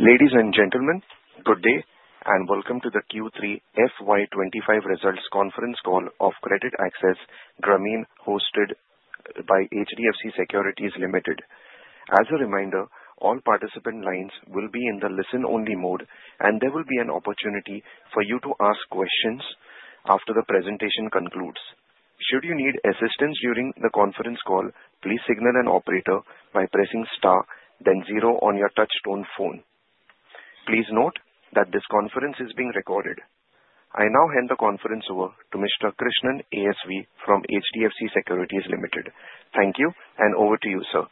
Ladies and gentlemen, good day and welcome to the Q3 FY25 results conference call of CreditAccess Grameen, hosted by HDFC Securities Limited. As a reminder, all participant lines will be in the listen-only mode, and there will be an opportunity for you to ask questions after the presentation concludes. Should you need assistance during the conference call, please signal an operator by pressing star, then zero on your touch-tone phone. Please note that this conference is being recorded. I now hand the conference over to Mr. Krishnan ASV from HDFC Securities Limited. Thank you, and over to you, sir.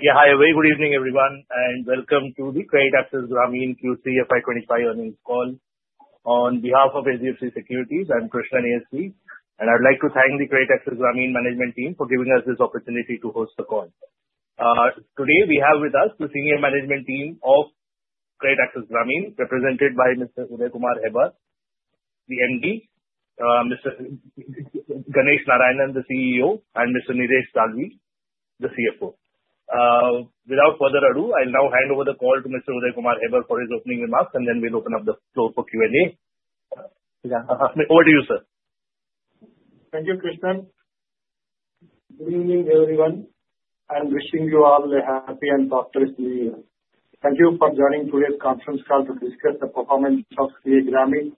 Yeah, hi. A very good evening, everyone, and welcome to the CreditAccess Grameen Q3 FY25 earnings call. On behalf of HDFC Securities, I'm Krishnan ASV, and I'd like to thank the CreditAccess Grameen management team for giving us this opportunity to host the call. Today, we have with us the senior management team of CreditAccess Grameen, represented by Mr. Udaya Kumar Hebbar, the MD, Mr. Ganesh Narayanan, the CEO, and Mr. Nilesh Dalvi, the CFO. Without further ado, I'll now hand over the call to Mr. Udaya Kumar Hebbar for his opening remarks, and then we'll open up the floor for Q&A. Over to you, sir. Thank you, Krishnan. Good evening, everyone. I'm wishing you all a happy and prosperous New Year. Thank you for joining today's conference call to discuss the performance of CA Grameen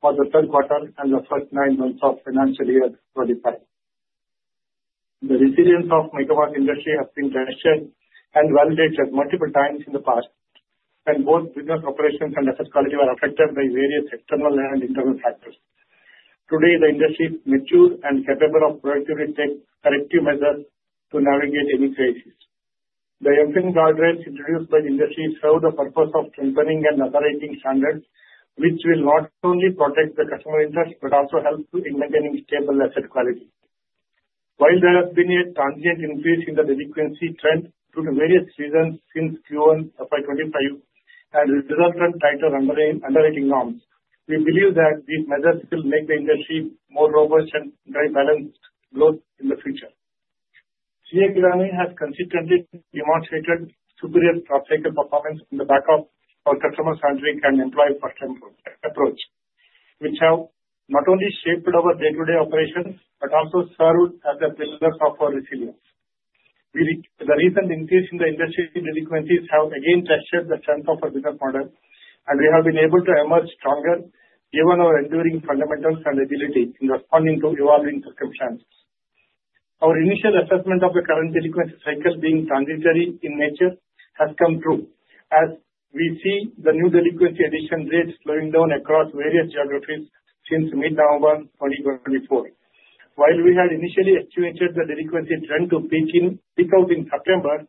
for the third quarter and the first nine months of financial year 25. The resilience of the microfinance industry has been tested and validated multiple times in the past, and both business operations and asset quality were affected by various external and internal factors. Today, the industry is mature and capable of proactively taking corrective measures to navigate any crisis. The MFIN guidelines introduced by the industry serve the purpose of strengthening and operating standards, which will not only protect the customer interest but also help in maintaining stable asset quality. While there has been a transient increase in the delinquency trend due to various reasons since Q1 FY25 and resultant tighter underwriting norms, we believe that these measures will make the industry more robust and drive balanced growth in the future. CA Grameen has consistently demonstrated superior cross-cycle performance on the back of our customer-centric and employee-first approach, which have not only shaped our day-to-day operations but also served as a precursor of our resilience. The recent increase in the industry delinquencies has again tested the strength of our business model, and we have been able to emerge stronger, given our enduring fundamentals and agility in responding to evolving circumstances. Our initial assessment of the current delinquency cycle, being transitory in nature, has come true, as we see the new delinquency addition rate slowing down across various geographies since mid-November 2024. While we had initially estimated the delinquency trend to peak out in September,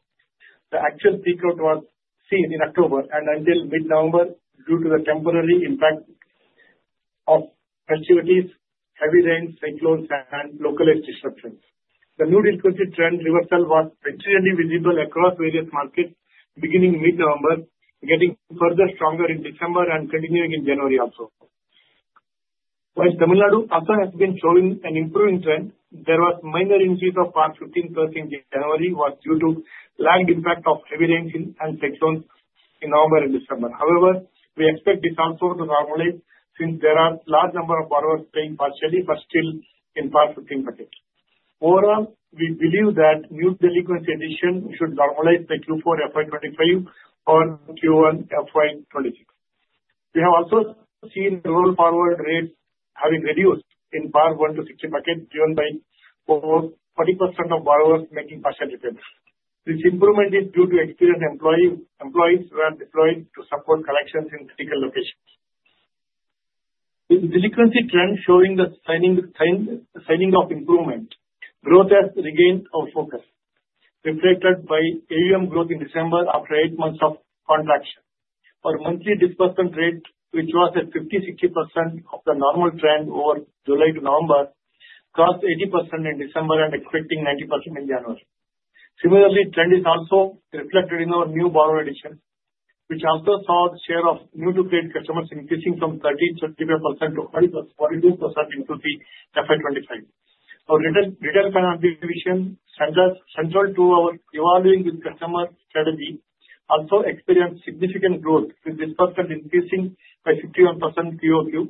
the actual peak out was seen in October and until mid-November due to the temporary impact of festivities, heavy rains, cyclones, and localized disruptions. The new delinquency trend reversal was extremely visible across various markets beginning mid-November, getting further stronger in December and continuing in January also. While Tamil Nadu also has been showing an improving trend, there was a minor increase of around 15% in January due to the impact of heavy rain and cyclones in November and December. However, we expect this also to normalize since there are a large number of borrowers paying partially but still in part of the market. Overall, we believe that new delinquency addition should normalize the Q4 FY25 or Q1 FY26. We have also seen rural borrower rates having reduced in PAR 1 to 60 market, given by over 40% of borrowers making partial repayments. This improvement is due to experienced employees who are deployed to support collections in critical locations. With the delinquency trend showing the sign of improvement, growth has regained our focus, reflected by AUM growth in December after eight months of contraction. Our monthly disbursement rate, which was at 50-60% of the normal trend over July to November, crossed 80% in December and expecting 90% in January. Similarly, the trend is also reflected in our new borrower addition, which also saw the share of new-to-trade customers increasing from 30-35% to 42% in Q3 FY25. Our retail finance division, central to our evolving customer strategy, also experienced significant growth with disbursement increasing by 51% year over year,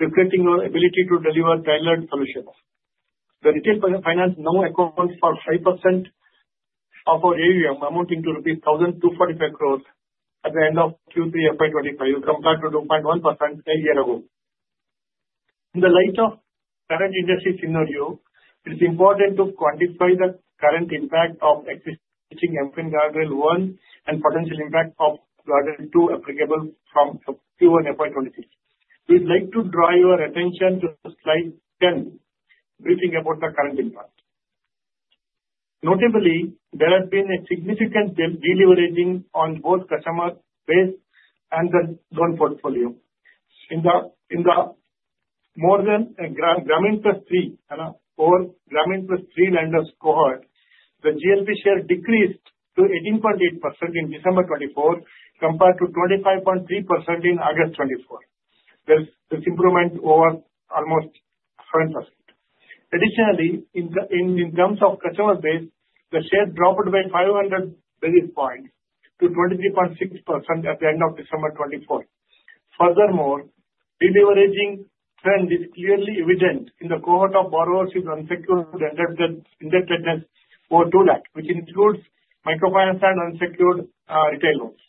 reflecting our ability to deliver tailored solutions. The retail finance now accounts for 5% of our AUM, amounting to rupees 1,245 crores at the end of Q3 FY25, compared to 2.1% a year ago. In the light of the current industry scenario, it is important to quantify the current impact of existing emphasis guideline 1 and the potential impact of guideline 2 applicable from Q1 FY26. We'd like to draw your attention to slide 10, briefing about the current impact. Notably, there has been a significant deleveraging on both customer base and the loan portfolio. In the more than Grameen Plus 3 or Grameen Plus 3 lenders cohort, the GLP share decreased to 18.8% in December 2024 compared to 25.3% in August 2024. There's this improvement over almost 7%. Additionally, in terms of customer base, the share dropped by 500 basis points to 23.6% at the end of December 2024. Furthermore, deleveraging trend is clearly evident in the cohort of borrowers with unsecured indebtedness over 2 lakh, which includes microfinance and unsecured retail loans.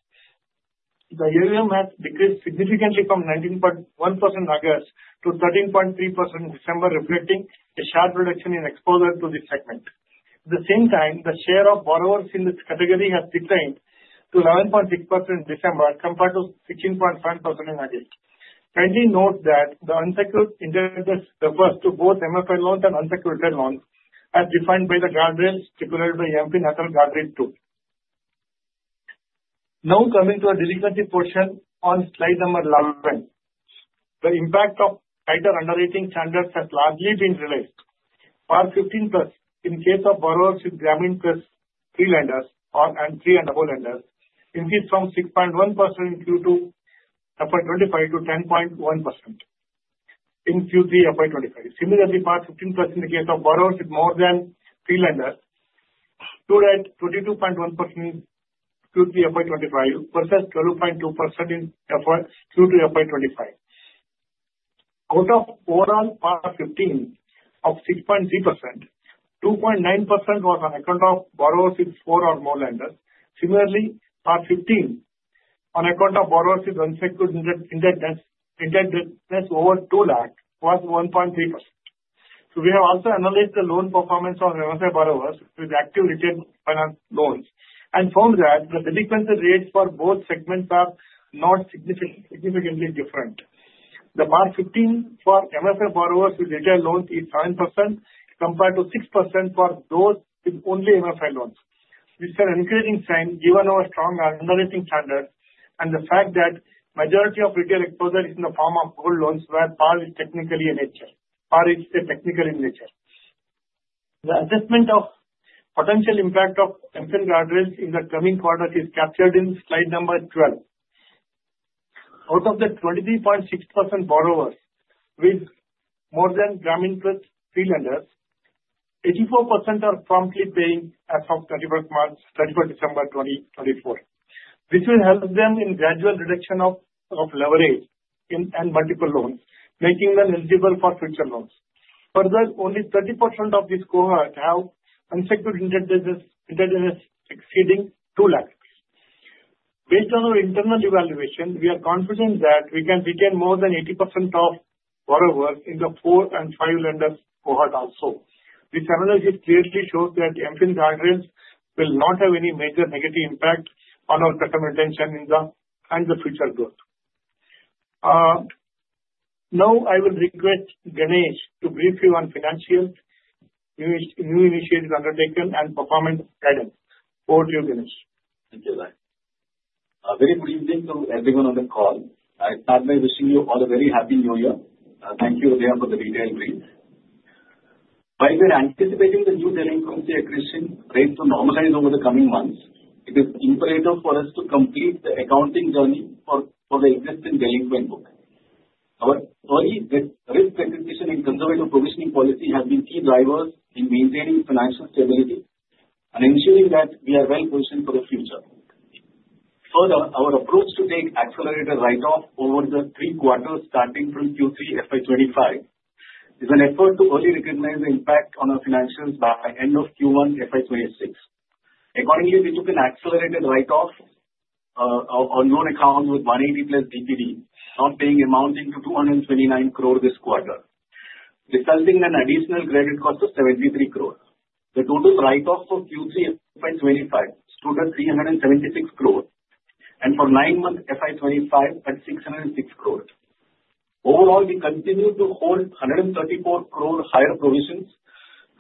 The AUM has decreased significantly from 19.1% in August to 13.3% in December, reflecting a sharp reduction in exposure to this segment. At the same time, the share of borrowers in this category has declined to 11.6% in December compared to 16.7% in August. Kindly note that the unsecured indebtedness refers to both MFI loans and unsecured retail loans as defined by the guidelines stipulated by MFIN Guardrails 2. Now coming to the delinquency portion on slide number 11, the impact of tighter underwriting standards has largely been realized. PAR 15 plus, in case of borrowers with Grameen Plus 3 lenders and three and above lenders, increased from 6.1% in Q2 FY25 to 10.1% in Q3 FY25. Similarly, PAR 15 plus in the case of borrowers with more than 3 lenders stood at 22.1% in Q3 FY25 versus 12.2% in Q2 FY25. Out of overall PAR 15 of 6.3%, 2.9% was on account of borrowers with 4 or more lenders. Similarly, PAR 15 on account of borrowers with unsecured indebtedness over 2 lakh was 1.3%. So we have also analyzed the loan performance of MFI borrowers with active retail finance loans and found that the delinquency rates for both segments are not significantly different. The PAR 15 for MFI borrowers with retail loans is 7% compared to 6% for those with only MFI loans. This is an encouraging sign given our strong underwriting standards and the fact that the majority of retail exposure is in the form of gold loans where PAR is technical in nature. The assessment of the potential impact of indebtedness guidelines in the coming quarters is captured in slide number 12. Out of the 23.6% borrowers with more than Grameen Plus 3 lenders, 84% are promptly paying as of 31st March and 31st December 2024. This will help them in gradual reduction of leverage and multiple loans, making them eligible for future loans. Further, only 30% of this cohort have unsecured indebtedness exceeding 2 lakh. Based on our internal evaluation, we are confident that we can retain more than 80% of borrowers in the 4 and 5 lenders cohort also. This analysis clearly shows that indebtedness guidelines will not have any major negative impact on our customer retention and the future growth. Now, I will request Ganesh to brief you on financials, new initiatives undertaken, and performance guidance. Over to you, Ganesh. Thank you, sir. A very good evening to everyone on the call. I start by wishing you all a very happy New Year. Thank you, Uday, for the detailed brief. While we're anticipating the new delinquency accretion rate to normalize over the coming months, it is imperative for us to complete the accounting journey for the existing delinquent loan. Our early risk recognition and conservative provisioning policy have been key drivers in maintaining financial stability and ensuring that we are well positioned for the future. Further, our approach to take accelerated write-off over the three quarters starting from Q3 FY25 is an effort to early recognize the impact on our financials by the end of Q1 FY26. Accordingly, we took an accelerated write-off of our loan account with 180 plus DPD, not paying amounting to 229 crores this quarter, resulting in an additional credit cost of 73 crores. The total write-off for Q3 FY25 stood at 376 crores, and for nine months FY25 at 606 crores. Overall, we continue to hold 134 crores higher provisions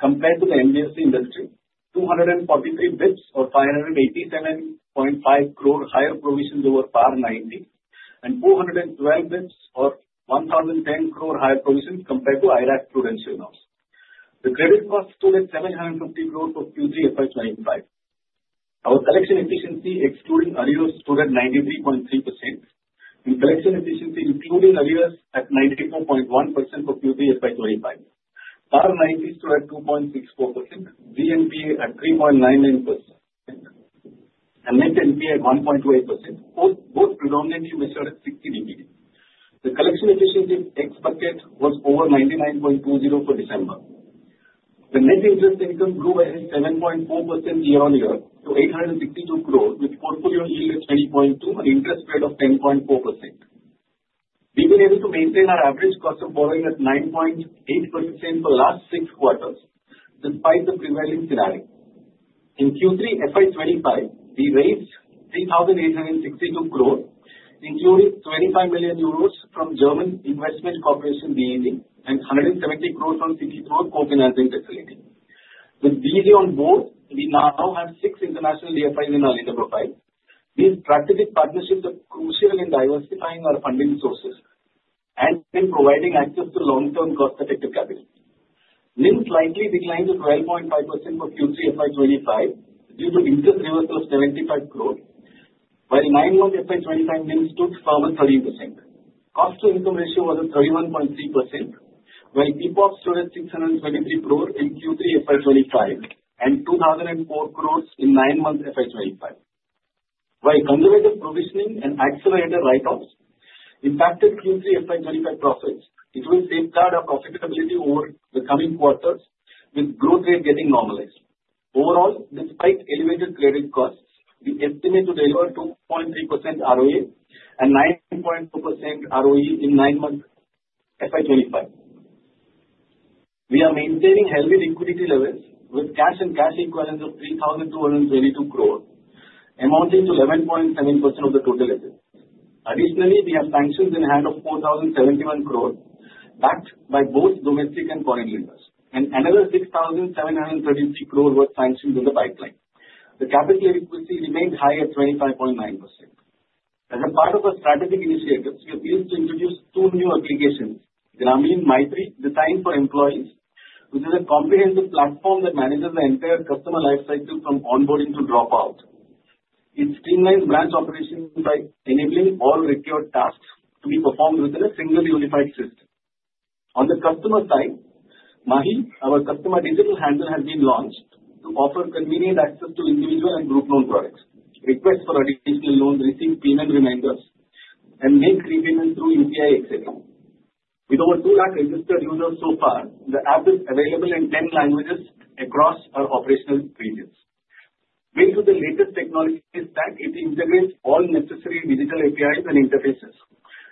compared to the MFI industry, 243 basis points or 587.5 crores higher provisions over PAR 90, and 212 basis points or 1,010 crores higher provisions compared to IRAC prudential norms. The credit cost stood at 750 crores for Q3 FY25. Our collection efficiency, excluding arrears, stood at 93.3%, and collection efficiency, including arrears, at 94.1% for Q3 FY25. PAR 90 stood at 2.64%, GNPA at 3.99%, and net NPA at 1.28%, both predominantly measured at 60 DPD. The collection efficiency expected was over 99.20% for December. The net interest income grew by 7.4% year on year to 862 crores, with portfolio yield at 20.2% and interest rate of 10.4%. We've been able to maintain our average cost of borrowing at 9.8% for the last six quarters, despite the prevailing scenario. In Q3 FY25, we raised 3,862 crores, including 25 million euros from German Investment Corporation DEG and 170 crores from CTPL co-financing facility. With DEG on board, we now have six international DFIs in our lender profile. These strategic partnerships are crucial in diversifying our funding sources and in providing access to long-term cost-effective capital. NIMs slightly declined to 12.5% for Q3 FY25 due to interest reversal of 75 crores, while nine months FY25 NIMs stood at 13%. Cost-to-income ratio was at 31.3%, while PPOP stood at 623 crores in Q3 FY25 and 2,004 crores in nine months FY25. While conservative provisioning and accelerated write-offs impacted Q3 FY25 profits, it will safeguard our profitability over the coming quarters, with growth rate getting normalized. Overall, despite elevated credit costs, we estimate to deliver 2.3% ROA and 9.2% ROE in nine months FY25. We are maintaining heavy liquidity levels with cash and cash equivalents of 3,222 crores, amounting to 11.7% of the total assets. Additionally, we have sanctions in the hand of 4,071 crores backed by both domestic and foreign lenders, and another 6,733 crores were sanctioned in the pipeline. The capital equity remained high at 25.9%. As a part of our strategic initiatives, we are pleased to introduce two new applications, Grameen Maitri, designed for employees, which is a comprehensive platform that manages the entire customer lifecycle from onboarding to dropout. It streamlines branch operations by enabling all required tasks to be performed within a single unified system. On the customer side, Mahi, our customer digital handle, has been launched to offer convenient access to individual and group loan products, requests for additional loans, receive payment reminders, and make repayments through UPI, etc. With over 2 lakh registered users so far, the app is available in 10 languages across our operational regions. Due to the latest technology stack, it integrates all necessary digital APIs and interfaces,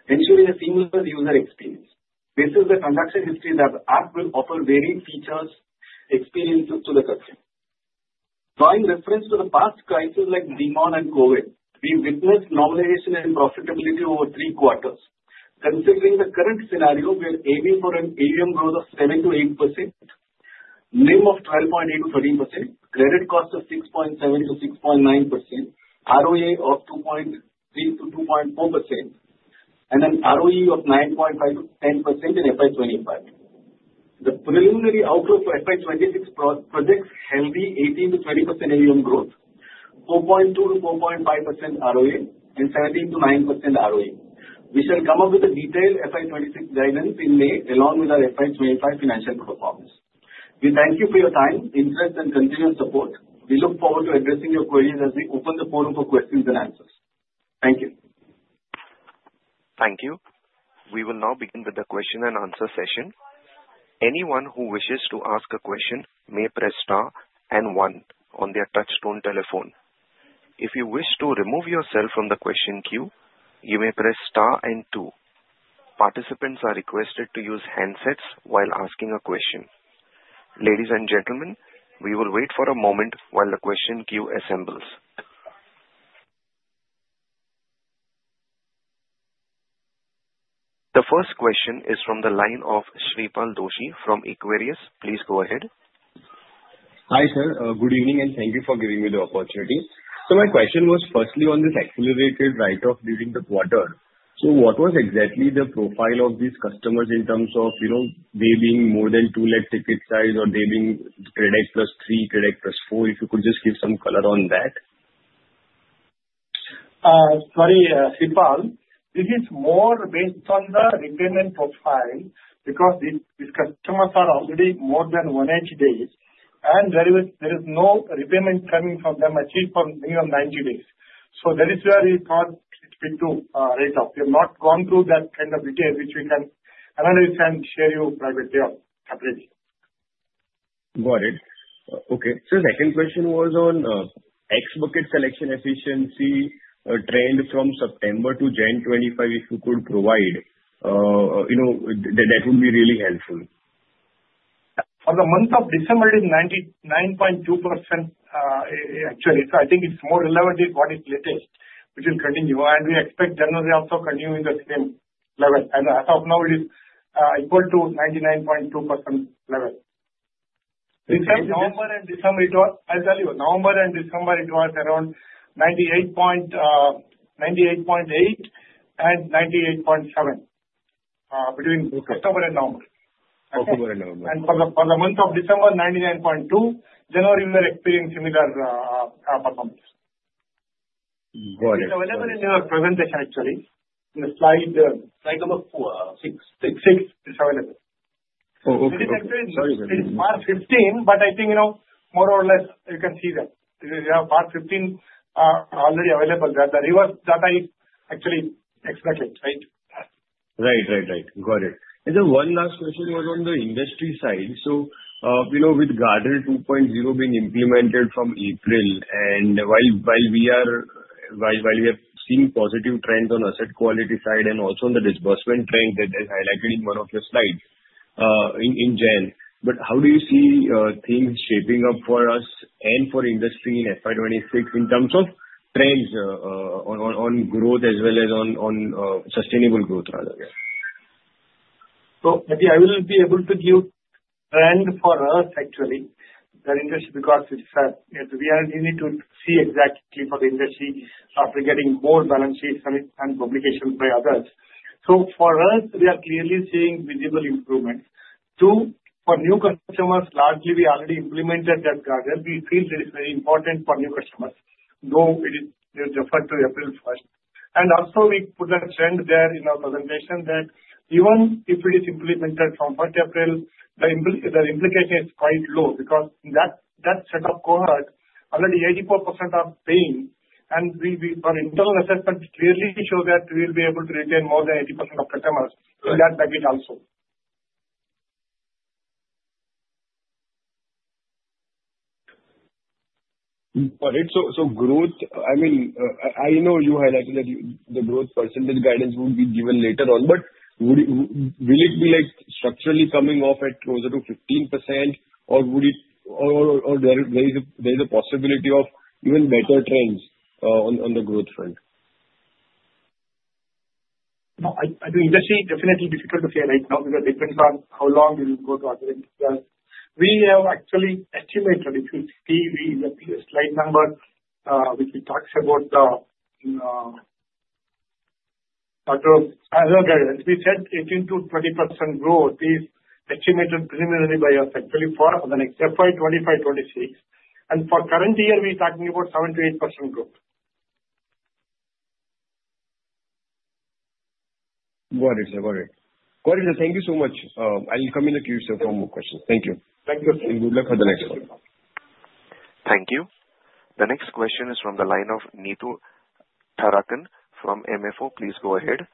ensuring a seamless user experience. Based on the conduction history, the app will offer varied features and experiences to the customer. Drawing reference to the past crises like demand and COVID, we witnessed normalization in profitability over three quarters, considering the current scenario where AUM growth of 7%-8%, NIM of 12.8%-13%, credit cost of 6.7%-6.9%, ROA of 2.3%-2.4%, and an ROE of 9.5%-10% in FY25. The preliminary outlook for FY26 projects healthy 18%-20% AUM growth, 4.2%-4.5% ROA, and 17%-9% ROE. We shall come up with a detailed FY26 guidance in May along with our FY25 financial performance. We thank you for your time, interest, and continued support. We look forward to addressing your queries as we open the forum for questions and answers. Thank you. Thank you. We will now begin with the question and answer session. Anyone who wishes to ask a question may press star and one on their touch-tone telephone. If you wish to remove yourself from the question queue, you may press star and two. Participants are requested to use handsets while asking a question. Ladies and gentlemen, we will wait for a moment while the question queue assembles. The first question is from the line of Sripal Doshi from Equirus. Please go ahead. Hi, sir, good evening, and thank you for giving me the opportunity. So my question was firstly on this accelerated write-off during the quarter. So what was exactly the profile of these customers in terms of, you know, they being more than two lakh ticket size or they being Grameen Plus 3, Grameen Plus 4? If you could just give some color on that. Sorry, Sripal, this is more based on the repayment profile because these customers are already more than 180 days, and there is no repayment coming from them achieved for a minimum of 90 days. So that is where we thought it would be to write-off. We have not gone through that kind of detail, which we can analyze and share you privately or separately. Got it. Okay. So the second question was on excess bucket collection efficiency trend from September to January 2025, if you could provide, you know, that would be really helpful. For the month of December, it is 99.2% actually. So I think it's more relevant what is latest, which is continuing, and we expect generally also continuing the same level. As of now, it is equal to 99.2% level. Okay. This is November and December. I tell you, November and December, it was around 98.8% and 98.7% between October and November. October and November. For the month of December, 99.2%. January, we were experiencing similar performance. Got it. It's available in your presentation actually, in the slide. Slide number six. Six is available. Oh, okay. It is actually, it is PAR 15, but I think, you know, more or less you can see that. You have PAR 15 already available. The reverse data is actually expected, right? Right, right, right. Got it. And then one last question was on the industry side, so you know, with Guardrails 2.0 being implemented from April, and while we are seeing positive trends on asset quality side and also on the disbursement trend that is highlighted in one of your slides in January, but how do you see things shaping up for us and for industry in FY26 in terms of trends on growth as well as on sustainable growth, rather? So I will be able to give trend for us actually. The industry because we need to see exactly for the industry after getting more balance sheets and publications by others. So for us, we are clearly seeing visible improvements. Two, for new customers, largely we already implemented the guardrails. We feel that it's very important for new customers, though it is deferred to April 1st. And also, we put a trend there in our presentation that even if it is implemented from 1st April, the implication is quite low because in that step-up cohort, already 84% are paying, and our internal assessment clearly shows that we will be able to retain more than 80% of customers in that bucket also. Got it. So growth, I mean, I know you highlighted that the growth percentage guidance would be given later on, but will it be like structurally coming off at closer to 15%, or would it, or there is a possibility of even better trends on the growth front? No, I think industry is definitely difficult to say right now because it depends on how long it will go to. We have actually estimated, if you see the slide number, which talks about the other guidance, we said 18%-20% growth is estimated preliminary by us, actually for next FY25-26. And for current year, we're talking about 7%-8% growth. Got it. Thank you so much. I'll come in the queue for more questions. Thank you. Thank you. Good luck for the next one. Thank you. The next question is from the line of Neetu Tharakan from MFO. Please go ahead.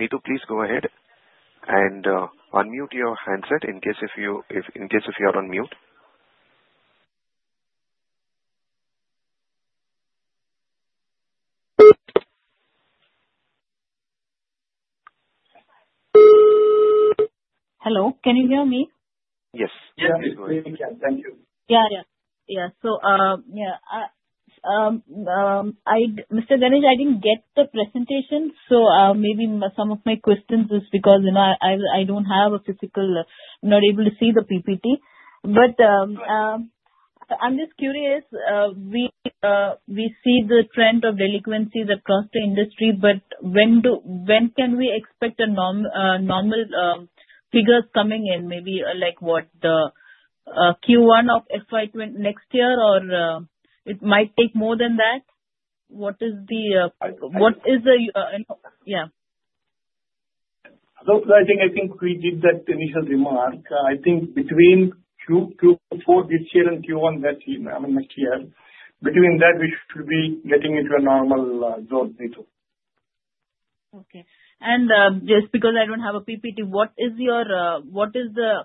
Neetu, please go ahead and unmute your handset in case you are on mute. Hello. Can you hear me? Yes. Yeah. Thank you. So, Mr. Ganesh, I didn't get the presentation, so maybe some of my questions is because, you know, I don't have a physical. I'm not able to see the PPT. But I'm just curious. We see the trend of delinquencies across the industry, but when can we expect normal figures coming in? Maybe like what, the Q1 of FY26 next year, or it might take more than that? What is the, yeah? So, I think we did that initial remark. I think between Q4 this year and Q1 next year, between that, we should be getting into a normal zone, Neetu. Okay. And just because I don't have a PPT, what is the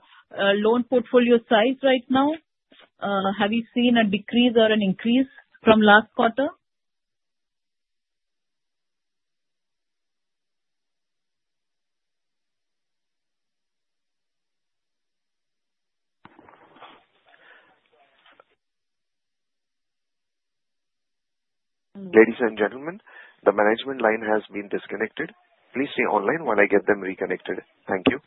loan portfolio size right now? Have you seen a decrease or an increase from last quarter? Ladies and gentlemen, the management line has been disconnected. Please stay online while I get them reconnected. Thank you.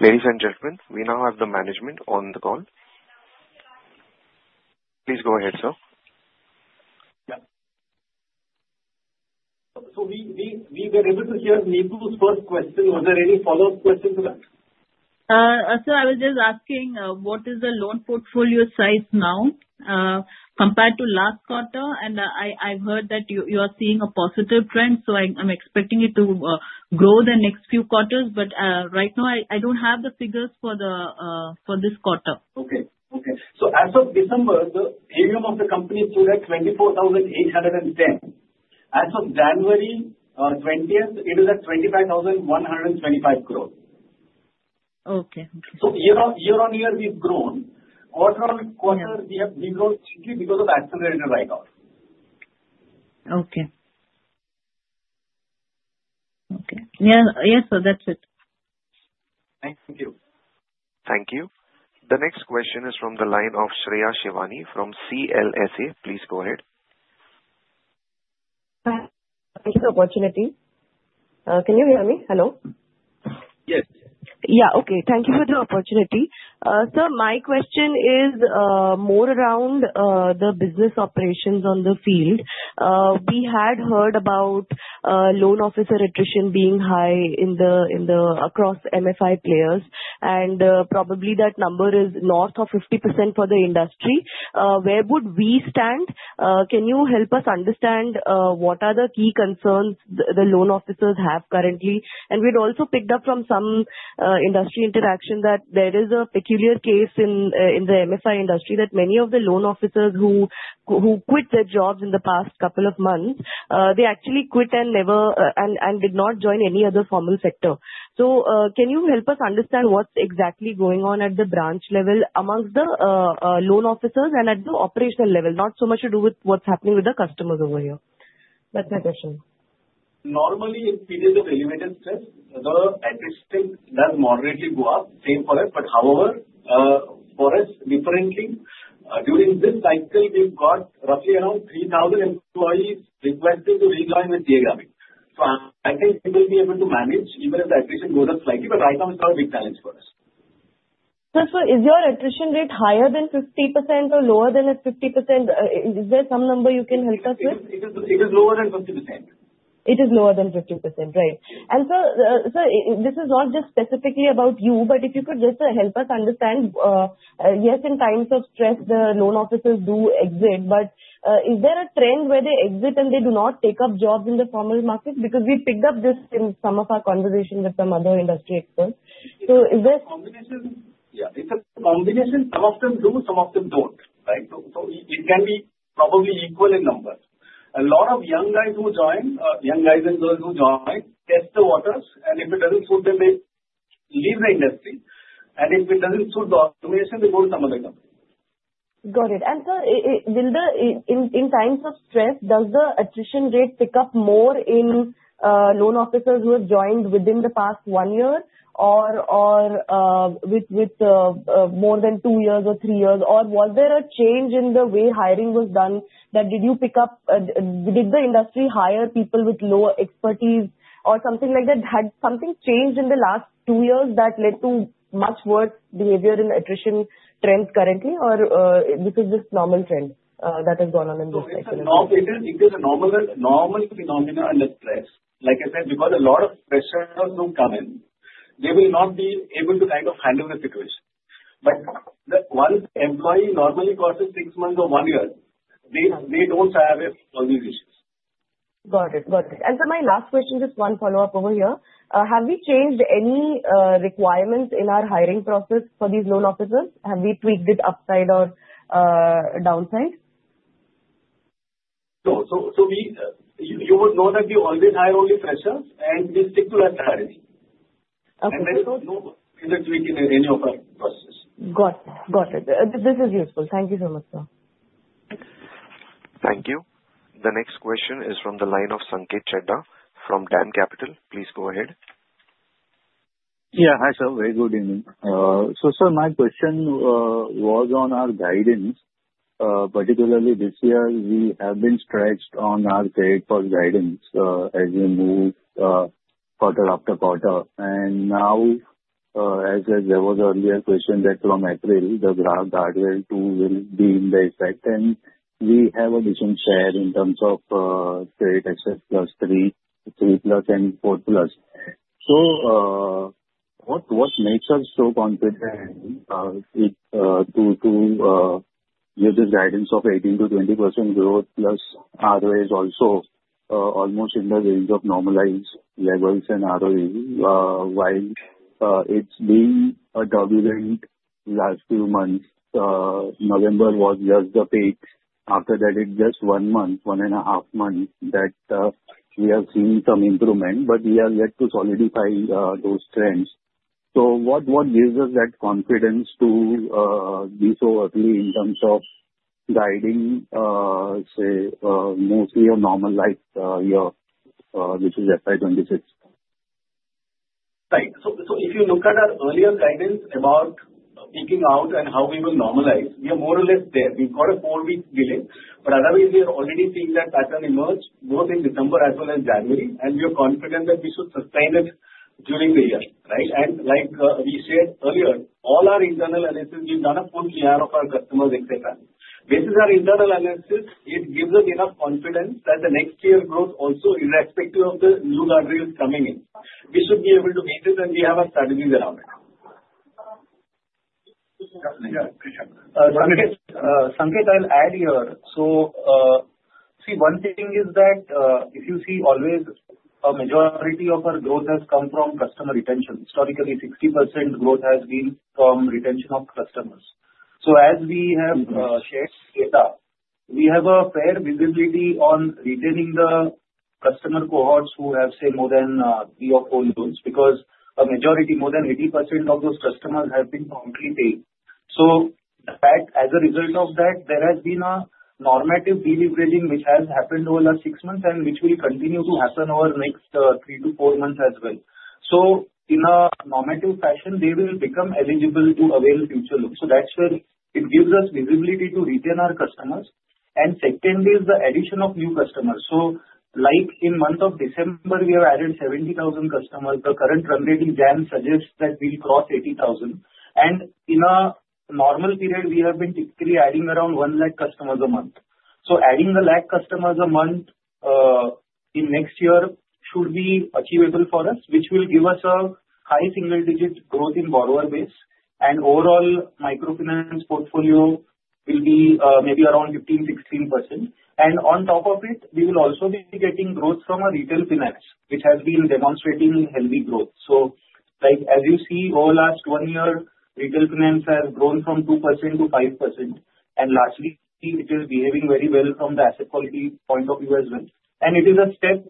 Ladies and gentlemen, we now have the management on the call. Please go ahead, sir. Yeah. So we were able to hear Neetu's first question. Was there any follow-up question to that? So I was just asking what is the loan portfolio size now compared to last quarter? And I've heard that you are seeing a positive trend, so I'm expecting it to grow the next few quarters, but right now, I don't have the figures for this quarter. As of December, the AUM of the company stood at 24,810. As of January 20th, it is at 25,125 crores. Okay. Year on year, we've grown. Quarter on quarter, we have grown simply because of accelerated write-off. Okay. Okay. Yeah. Yes, sir, that's it. Thank you. Thank you. The next question is from the line of Shreya Shivani from CLSA. Please go ahead. Thank you for the opportunity. Can you hear me? Hello? Yes. Yeah. Okay. Thank you for the opportunity. Sir, my question is more around the business operations on the field. We had heard about loan officer attrition being high across MFI players, and probably that number is north of 50% for the industry. Where would we stand? Can you help us understand what are the key concerns the loan officers have currently? And we'd also picked up from some industry interaction that there is a peculiar case in the MFI industry that many of the loan officers who quit their jobs in the past couple of months, they actually quit and did not join any other formal sector. So can you help us understand what's exactly going on at the branch level amongst the loan officers and at the operational level? Not so much to do with what's happening with the customers over here. That's my question. Normally, in periods of elevated stress, the attrition does moderately go up, same for us, but however, for us, differently, during this cycle, we've got roughly around 3,000 employees requesting to rejoin with CA Grameen. So I think we will be able to manage even if the attrition goes up slightly, but right now, it's not a big challenge for us. Sir, sir, is your attrition rate higher than 50% or lower than 50%? Is there some number you can help us with? It is lower than 50%. It is lower than 50%, right. And, sir, this is not just specifically about you, but if you could just help us understand, yes, in times of stress, the loan officers do exit, but is there a trend where they exit and they do not take up jobs in the formal market? Because we picked up this in some of our conversations with some other industry experts. So, is there? Yeah. It's a combination. Some of them do, some of them don't, right? So it can be probably equal in numbers. A lot of young guys who join, young guys and girls who join, test the waters, and if it doesn't suit them, they leave the industry. And if it doesn't suit the automation, they go to some other company. Got it. And sir, in times of stress, does the attrition rate pick up more in loan officers who have joined within the past one year or with more than two years or three years? Or was there a change in the way hiring was done that did you pick up, did the industry hire people with lower expertise or something like that? Had something changed in the last two years that led to much worse behavior in attrition trends currently, or this is just normal trend that has gone on in this cycle? No, it is a normal phenomenon in this place. Like I said, because a lot of freshers do come in, they will not be able to kind of handle the situation. But once employee normally goes to six months or one year, they don't have all these issues. Got it. Got it. And sir, my last question, just one follow-up over here. Have we changed any requirements in our hiring process for these loan officers? Have we tweaked it upside or downside? No. So, you would know that we always hire only freshers, and we stick to that strategy, and there is no major tweak in any of our processes. Got it. Got it. This is useful. Thank you so much, sir. Thank you. The next question is from the line of Sanket Chheda from DAM Capital. Please go ahead. Yeah. Hi, sir. Very good evening. So sir, my question was on our guidance. Particularly this year, we have been stretched on our target for guidance as we move quarter after quarter. And now, as there was earlier question that from April, the Guardrails will be in effect, and we have a decent share in terms of Grameen Plus 3, 3 plus, and 4 plus. So what makes us so confident to use this guidance of 18%-20% growth plus ROA is also almost in the range of normalized levels and ROE, while it's been a turbulent last few months. November was just the peak. After that, it's just one month, one and a half months that we have seen some improvement, but we have yet to solidify those trends. So what gives us that confidence to be so early in terms of guiding, say, mostly a normalized year, which is FY26? Right. So if you look at our earlier guidance about picking out and how we will normalize, we are more or less there. We've got a four-week delay, but otherwise, we are already seeing that pattern emerge both in December as well as January, and we are confident that we should sustain it during the year, right? And like we shared earlier, all our internal analysis, we've done a full PAR of our customers, etc. Based on our internal analysis, it gives us enough confidence that the next year's growth also, irrespective of the new guard rails coming in, we should be able to meet it, and we have our strategies around it. Sanket, I'll add here. So see, one thing is that if you see always a majority of our growth has come from customer retention. Historically, 60% growth has been from retention of customers. As we have shared data, we have a fair visibility on retaining the customer cohorts who have, say, more than three or four loans because a majority, more than 80% of those customers have been promptly paid. As a result of that, there has been a normative deleveraging which has happened over the last six months and which will continue to happen over the next three to four months as well. In a normative fashion, they will become eligible to avail future loans. That's where it gives us visibility to retain our customers. Second is the addition of new customers. Like in the month of December, we have added 70,000 customers. The current run rate in Jan suggests that we'll cross 80,000. In a normal period, we have been typically adding around 1 lakh customers a month. So adding one lakh customers a month in next year should be achievable for us, which will give us a high single-digit growth in borrower base. And overall, microfinance portfolio will be maybe around 15%-16%. And on top of it, we will also be getting growth from retail finance, which has been demonstrating healthy growth. So as you see, over the last one year, retail finance has grown from 2%-5%. And lastly, it is behaving very well from the asset quality point of view as well. And it is a step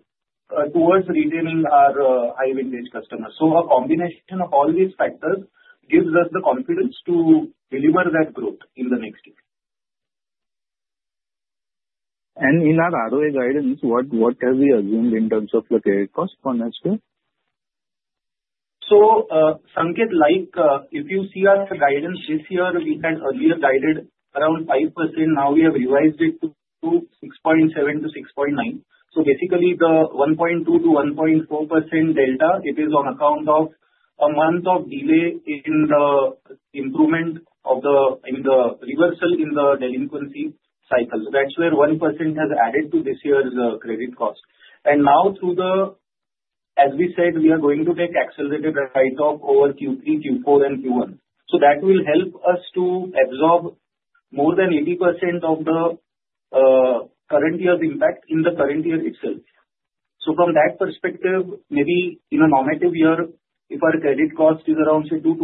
towards retaining our high-vintage customers. So a combination of all these factors gives us the confidence to deliver that growth in the next year. In our ROA guidance, what have we assumed in terms of the credit cost for next year? So Sanket, like if you see our guidance this year, we had earlier guided around 5%. Now we have revised it to 6.7%-6.9%. So basically, the 1.2%-1.4% delta, it is on account of a month of delay in the improvement of the reversal in the delinquency cycle. So that's where 1% has added to this year's credit cost. And now, as we said, we are going to take accelerated write-off over Q3, Q4, and Q1. So that will help us to absorb more than 80% of the current year's impact in the current year itself. So from that perspective, maybe in a normative year, if our credit cost is around, say, 2%-2.5%,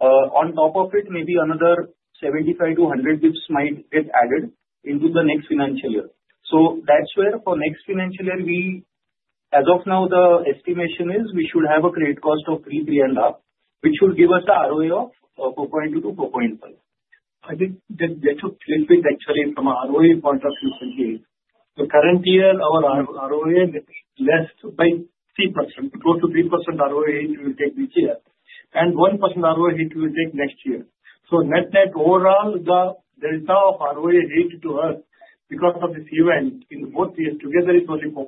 on top of it, maybe another 75-100 basis points might get added into the next financial year. So that's where for next financial year, as of now, the estimation is we should have a credit cost of 3-3.5%, which should give us the ROA of 4.2-4.5%. I think that took a little bit actually from our ROA point of view to see. The current year, our ROA is less by 3%. It goes to 3% ROA hit we will take this year. And 1% ROA hit we will take next year. So net net, overall, the delta of ROA hit to us because of this event in both years together is only 4%.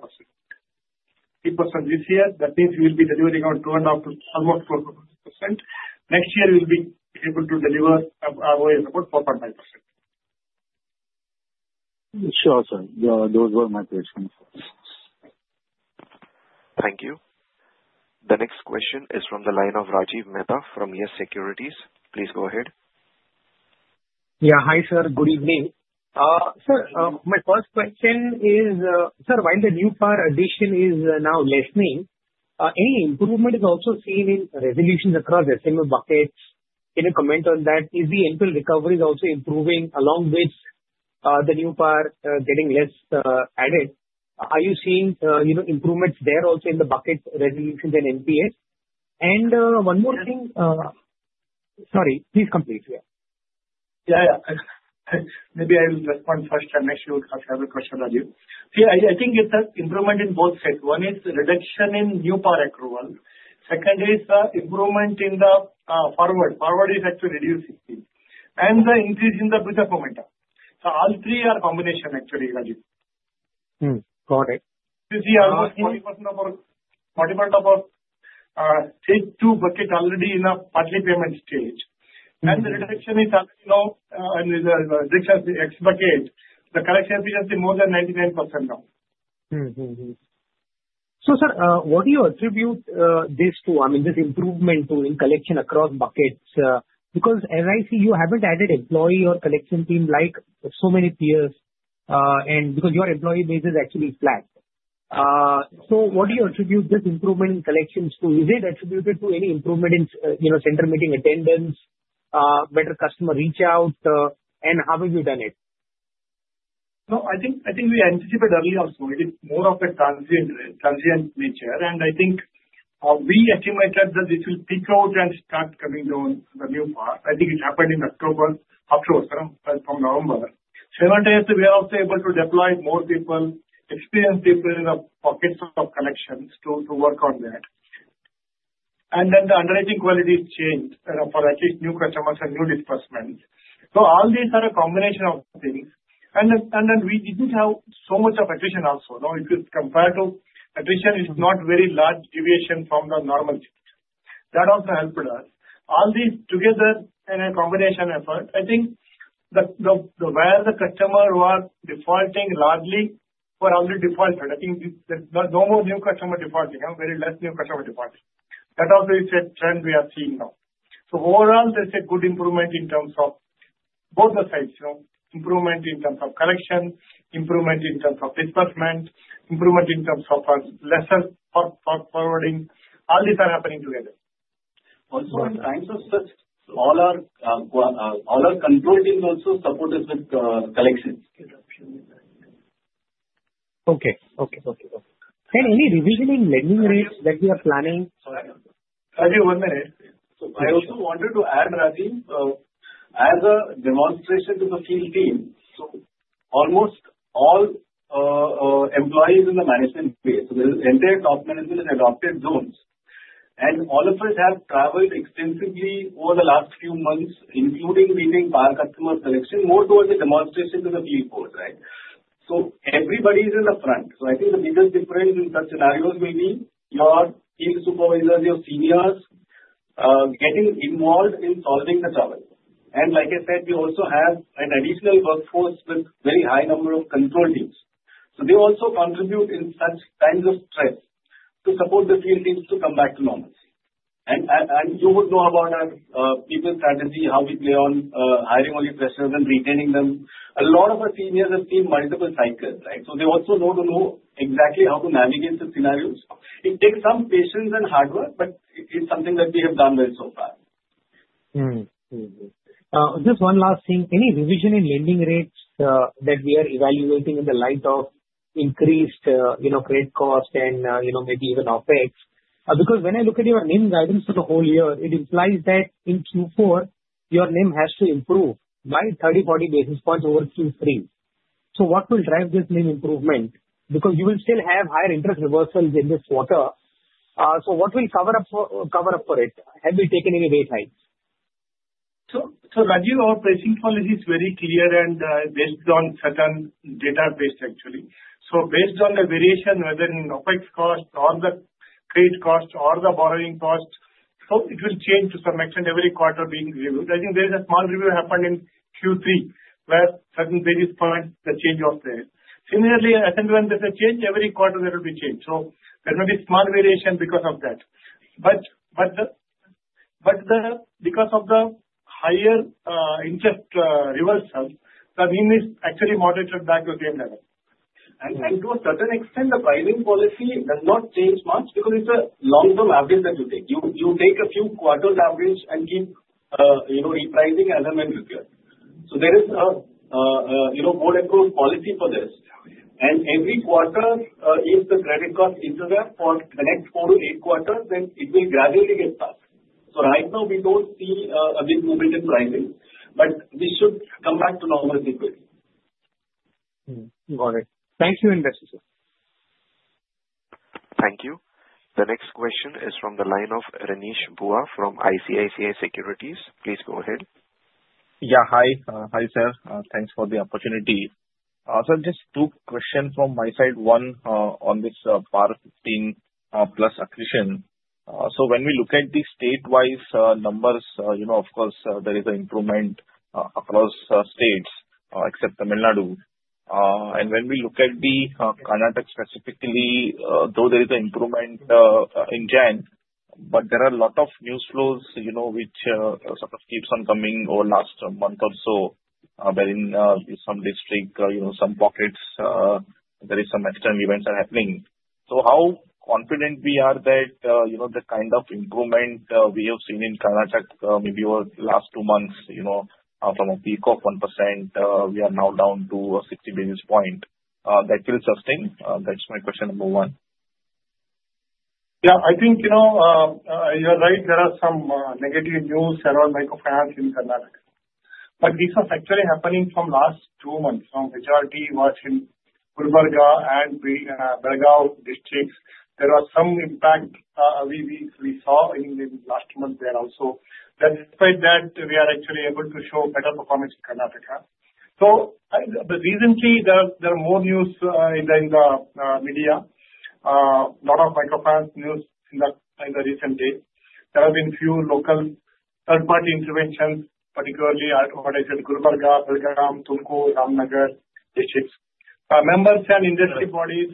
3% this year, that means we will be delivering around 2.5 to almost 4%. Next year, we will be able to deliver ROA of about 4.5%. Sure, sir. Those were my questions. Thank you. The next question is from the line of Rajiv Mehta from YES Securities. Please go ahead. Yeah. Hi, sir. Good evening. Sir, my first question is, sir, while the new PAR addition is now lessening, any improvement is also seen in resolutions across SME buckets? Can you comment on that? Is the NPL recovery also improving along with the new PAR getting less added? Are you seeing improvements there also in the bucket resolutions and NPS? And one more thing. Sorry, please complete here. Yeah. Yeah. Maybe I'll respond first and next you would have a question, Rajiv.Yeah. I think it's an improvement in both sets. One is reduction in new PAR accrual. Second is improvement in the forward. Forward is actually reducing. And the increase in the future formata. So all three are combination actually, Rajiv. Got it. This is almost 40% of our stage two bucket already in a partial payment stage. The reduction is already now in the X bucket. The collection efficiency is more than 99% now. So sir, what do you attribute this to? I mean, this improvement in collection across buckets? Because as I see, you haven't added employee or collection team like so many peers, and because your employee base is actually flat. So what do you attribute this improvement in collections to? Is it attributed to any improvement in center meeting attendance, better customer reach out, and how have you done it? No, I think we anticipate early on. So it is more of a transient nature. I think we estimated that this will peak out and start coming down the new PAR. I think it happened in October afterwards, from November. So we were also able to deploy more people, experienced people in the pockets of collections to work on that. Then the underwriting quality has changed for at least new customers and new disbursements. So all these are a combination of things. Then we didn't have so much of attrition also. Now, if you compare to attrition, it's not very large deviation from the normal thing. That also helped us. All these together in a combination effort, I think the way the customer were defaulting largely were already defaulted. I think there's no more new customer defaulting, very less new customer defaulting. That also is a trend we are seeing now. So overall, there's a good improvement in terms of both the sides, improvement in terms of collection, improvement in terms of disbursement, improvement in terms of lesser forwarding. All these are happening together. Also, in times of stress, all our control teams also support us with collections. Okay. Okay. Okay. Any revision in lending rates that you are planning? Rajiv, one minute. So I also wanted to add, Rajiv, as a demonstration to the field team. So almost all employees in the management base, the entire top management has adopted zones. And all of us have traveled extensively over the last few months, including meeting PAR customer selection, more towards a demonstration to the field force, right? So everybody is in the front. So I think the biggest difference in such scenarios will be your field supervisors, your seniors getting involved in solving the trouble. And like I said, we also have an additional workforce with a very high number of control teams. So they also contribute in such times of stress to support the field teams to come back to normal. And you would know about our people strategy, how we plan on hiring only freshers and retaining them. A lot of our seniors have seen multiple cycles, right? So they also know exactly how to navigate the scenarios. It takes some patience and hard work, but it's something that we have done well so far. Just one last thing. Any revision in lending rates that we are evaluating in the light of increased credit cost and maybe even OpEx? Because when I look at your NIM guidance for the whole year, it implies that in Q4, your NIM has to improve by 30, 40 basis points over Q3. So what will drive this NIM improvement? Because you will still have higher interest reversals in this quarter. So what will cover up for it? Have you taken any wage side? So, Rajiv, our pricing policy is very clear and based on certain database, actually. So based on the variation, whether in OpEx cost or the credit cost or the borrowing cost, so it will change to some extent every quarter being reviewed. I think there is a small review happened in Q3 where certain basis points the change of there. Similarly, SME, when there's a change, every quarter there will be change. So there may be small variation because of that. But because of the higher interest reversals, the NIM is actually moderated back to the same level. And to a certain extent, the pricing policy does not change much because it's a long-term average that you take. You take a few quarters average and keep repricing as and when required. So there is a board-approved policy for this. Every quarter, if the credit cost is there for the next four to eight quarters, then it will gradually get tough. Right now, we don't see a big movement in pricing, but we should come back to normal quickly. Got it. Thank you, Industry Sir. Thank you. The next question is from the line of Renish Bhuva from ICICI Securities. Please go ahead. Yeah. Hi. Hi, sir. Thanks for the opportunity, so just two questions from my side. One on this PAR 15 plus acquisition. So when we look at the statewide numbers, of course, there is an improvement across states except Tamil Nadu, and when we look at the Karnataka specifically, though there is an improvement in January, but there are a lot of news flows which sort of keeps on coming over the last month or so wherein some districts, some pockets, there is some external events happening. So how confident we are that the kind of improvement we have seen in Karnataka maybe over the last two months from a peak of 1%, we are now down to 60 basis points, that will sustain? That's my question number one. Yeah. I think you're right. There are some negative news around microfinance in Karnataka. But these are actually happening from the last two months. Majority was in Kalaburagi and Belagavi districts. There was some impact we saw in the last month there also. That's quite that we are actually able to show better performance in Karnataka. So recently, there are more news in the media, a lot of microfinance news in the recent days. There have been few local third-party interventions, particularly what I said, Kalaburagi, Belagavi, Tumakuru, Ramanagara districts. Members and industry bodies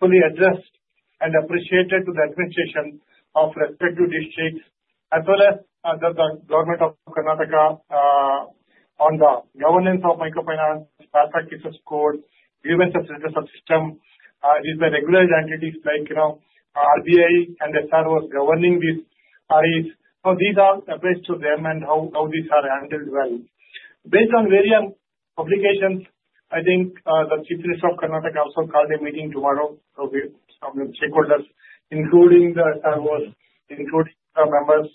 fully addressed and appreciated to the administration of respective districts as well as the government of Karnataka on the governance of microfinance, PAR practices code, grievance redressal system. It is the regular entities like RBI and SRO governing these areas. So these are addressed to them and how these are handled well. Based on various publications, I think the Chief Minister of Karnataka also called a meeting tomorrow with some stakeholders, including the SROs, including the members,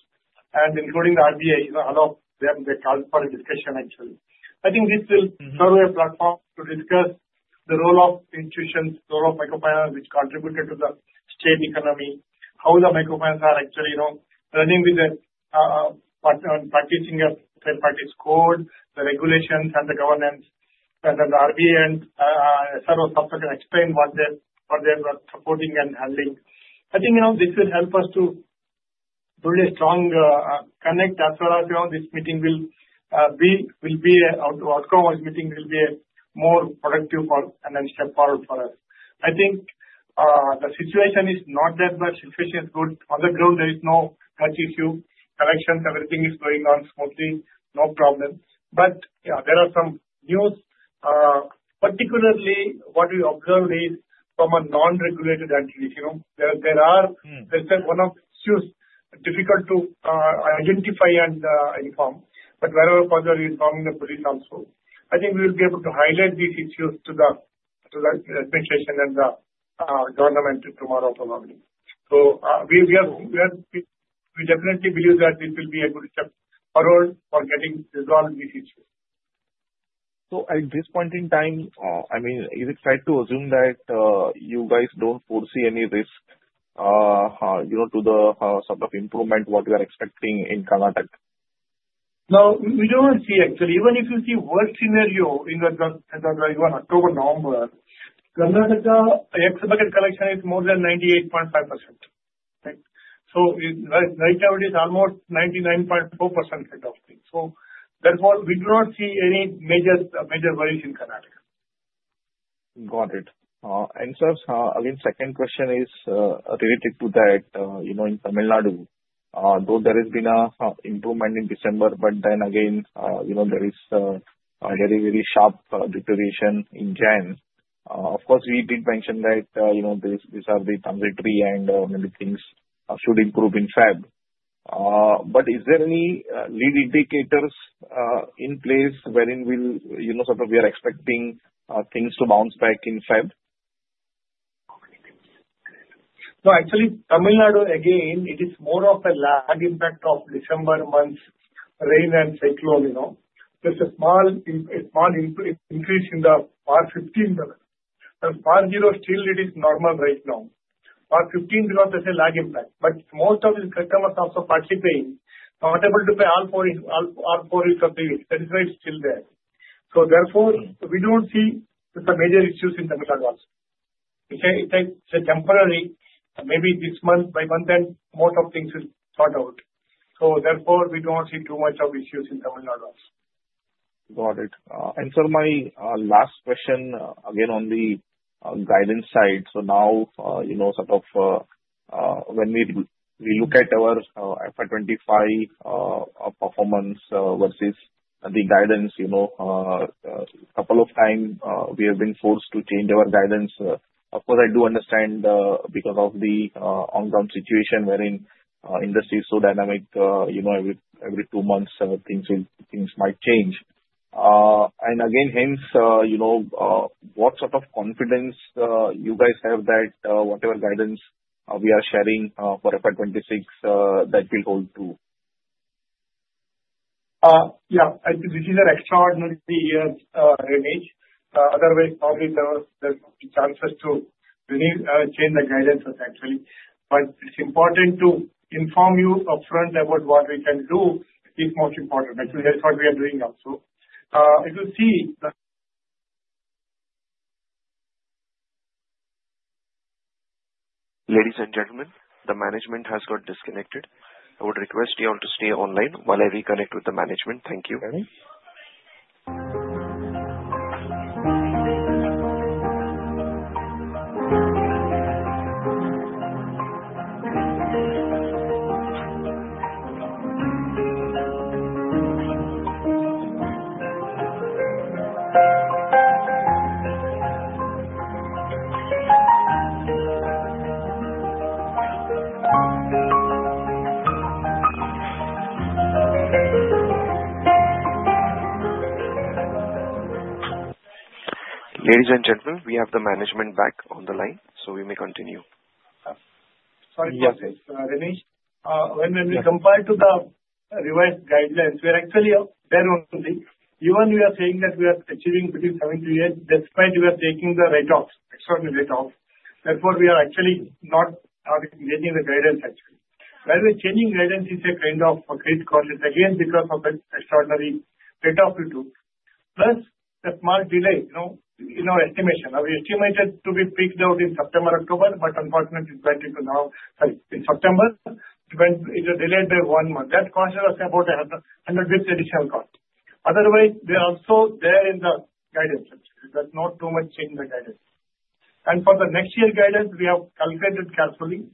and including the RBI. A lot of them were called for a discussion, actually. I think this will serve as a platform to discuss the role of institutions, the role of microfinance, which contributed to the state economy, how the microfinance are actually running with practicing a third-party sourcing, the regulations, and the governance, and then the RBI and SROs subsequently explain what they are supporting and handling. I think this will help us to build a strong connect as well as the outcome of this meeting will be more productive and a step forward for us. I think the situation is not that bad. Situation is good. On the ground, there is no such issue. Collections, everything is going on smoothly. No problem. But there are some news. Particularly, what we observed is from a non-regulated entity. There are one of issues difficult to identify and inform. But wherever further informing the police also, I think we will be able to highlight these issues to the administration and the government tomorrow probably. So we definitely believe that this will be a good step forward for getting resolved these issues. So at this point in time, I mean, is it fair to assume that you guys don't foresee any risk to the sort of improvement what we are expecting in Karnataka? No, we don't see, actually. Even if you see worst scenario in the October-November, Karnataka X-bucket collection is more than 98.5%. So right now, it is almost 99.4% ahead of things. So therefore, we do not see any major worries in Karnataka. Got it. And sir, again, second question is related to that. In Tamil Nadu, though there has been an improvement in December, but then again, there is a very, very sharp deterioration in January. Of course, we did mention that these are the transitory and many things should improve in February. But is there any lead indicators in place wherein we are expecting things to bounce back in February? No, actually, Tamil Nadu, again, it is more of a lag impact of December month's rain and cyclone. There's a small increase in the PAR 15 level. PAR 0 still, it is normal right now. PAR 15, there's a lag impact. But most of these customers also participating, not able to pay all four years of the year. That is why it's still there. So therefore, we don't see the major issues in Tamil Nadu also. It's a temporary. Maybe this month, by month, then most of things is sorted out. So therefore, we don't see too much of issues in Tamil Nadu also. Got it. And sir, my last question, again, on the guidance side. So now, sort of when we look at our FY25 performance versus the guidance, a couple of times we have been forced to change our guidance. Of course, I do understand because of the ongoing situation wherein industry is so dynamic, every two months, things might change. And again, hence, what sort of confidence you guys have that whatever guidance we are sharing for FY26, that will hold true? Yeah. This is an extraordinary year, Renish. Otherwise, probably there's no chances to change the guidance, actually. But it's important to inform you upfront about what we can do is most important. That's what we are doing also. If you see the. Ladies and gentlemen, the management has got disconnected. I would request you all to stay online while I reconnect with the management. Thank you. Ladies and gentlemen, we have the management back on the line, so we may continue. Sorry, Renish. When we compare to the revised guidelines, we are actually there only. Even we are saying that we are achieving between 70 bps, despite we are taking the write-off, extraordinary write-off. Therefore, we are actually not getting the guidance, actually. Why we are changing guidance is a kind of great cause, again, because of the extraordinary write-off we took. Plus, a small delay in our estimation. We estimated to be picked out in September, October, but unfortunately, it went into November, sorry, in September, it went delayed by one month. That causes us about 100 additional costs. Otherwise, we are also there in the guidance. There's not too much change in the guidance. And for the next year guidance, we have calculated carefully.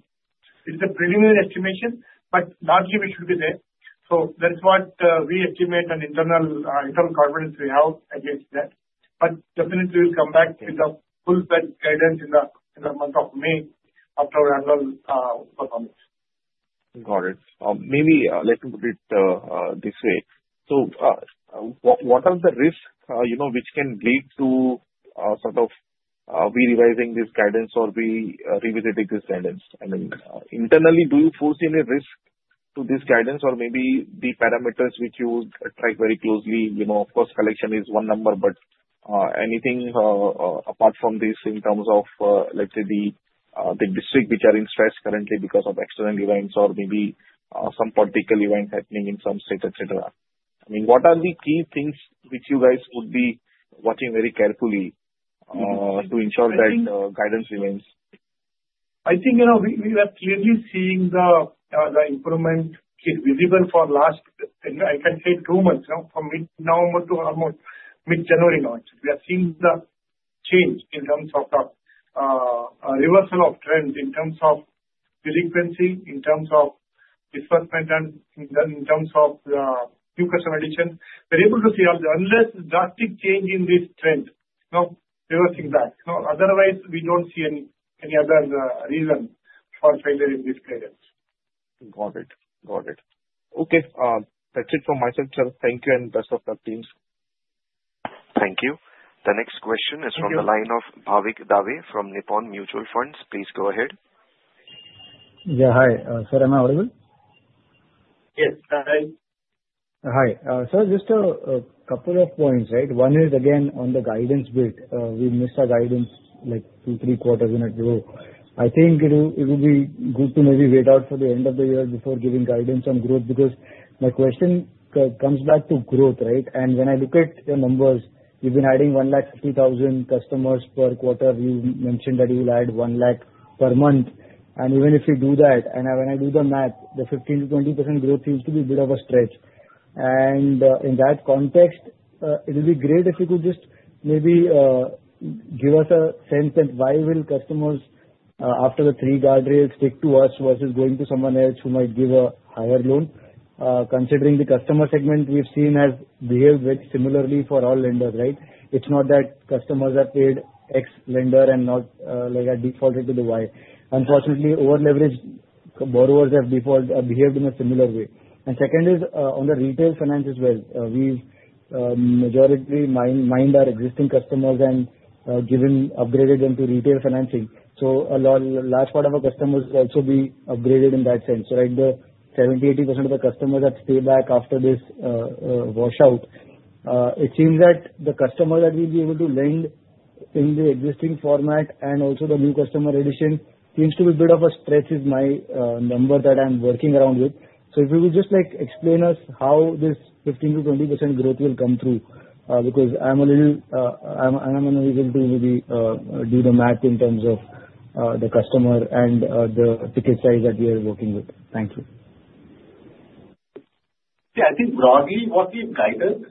It's a preliminary estimation, but largely we should be there. So that's what we estimate and internal confidence we have against that. But definitely, we'll come back with the full set guidance in the month of May after our annual performance. Got it. Maybe let me put it this way. So what are the risks which can lead to sort of we revising this guidance or we revisiting this guidance? I mean, internally, do you foresee any risk to this guidance or maybe the parameters which you would track very closely? Of course, collection is one number, but anything apart from this in terms of, let's say, the district which are in stress currently because of external events or maybe some political event happening in some state, etc.? I mean, what are the key things which you guys would be watching very carefully to ensure that guidance remains? I think we are clearly seeing the improvement is visible for last, I can say, two months, from mid-November to almost mid-January now. We are seeing the change in terms of reversal of trends, in terms of delinquency, in terms of disbursement, and in terms of new customer addition. We're able to see, unless drastic change in this trend, reversing back. Otherwise, we don't see any other reason for failure in this guidance. Got it. Got it. Okay. That's it from my side, sir. Thank you and best of luck, teams. Thank you. The next question is from the line of Bhavik Dave from Nippon India Mutual Fund. Please go ahead. Yeah. Hi. Sir, am I audible? Yes. Hi. Hi, sir, just a couple of points, right? One is, again, on the guidance bit. We missed our guidance like two, three quarters in a growth. I think it will be good to maybe wait out for the end of the year before giving guidance on growth because my question comes back to growth, right? And when I look at your numbers, you've been adding 150,000 customers per quarter. You mentioned that you will add 1 lakh per month. And even if you do that, and when I do the math, the 15%-20% growth seems to be a bit of a stretch. And in that context, it would be great if you could just maybe give us a sense that why will customers, after the three guardrails, stick to us versus going to someone else who might give a higher loan? Considering the customer segment, we've seen has behaved similarly for all lenders, right? It's not that customers are paid X lender and not like a default into the Y. Unfortunately, over-leveraged borrowers have behaved in a similar way. And second is on the retail finance as well. We've majority mined our existing customers and upgraded them to retail financing. So a large part of our customers will also be upgraded in that sense. So like the 70%-80% of the customers that stay back after this washout, it seems that the customer that we'll be able to lend in the existing format and also the new customer addition seems to be a bit of a stretch is my number that I'm working around with. So if you would just explain to us how this 15%-20% growth will come through because I'm unable to maybe do the math in terms of the customer and the ticket size that we are working with. Thank you. Yeah. I think broadly, what we've guided,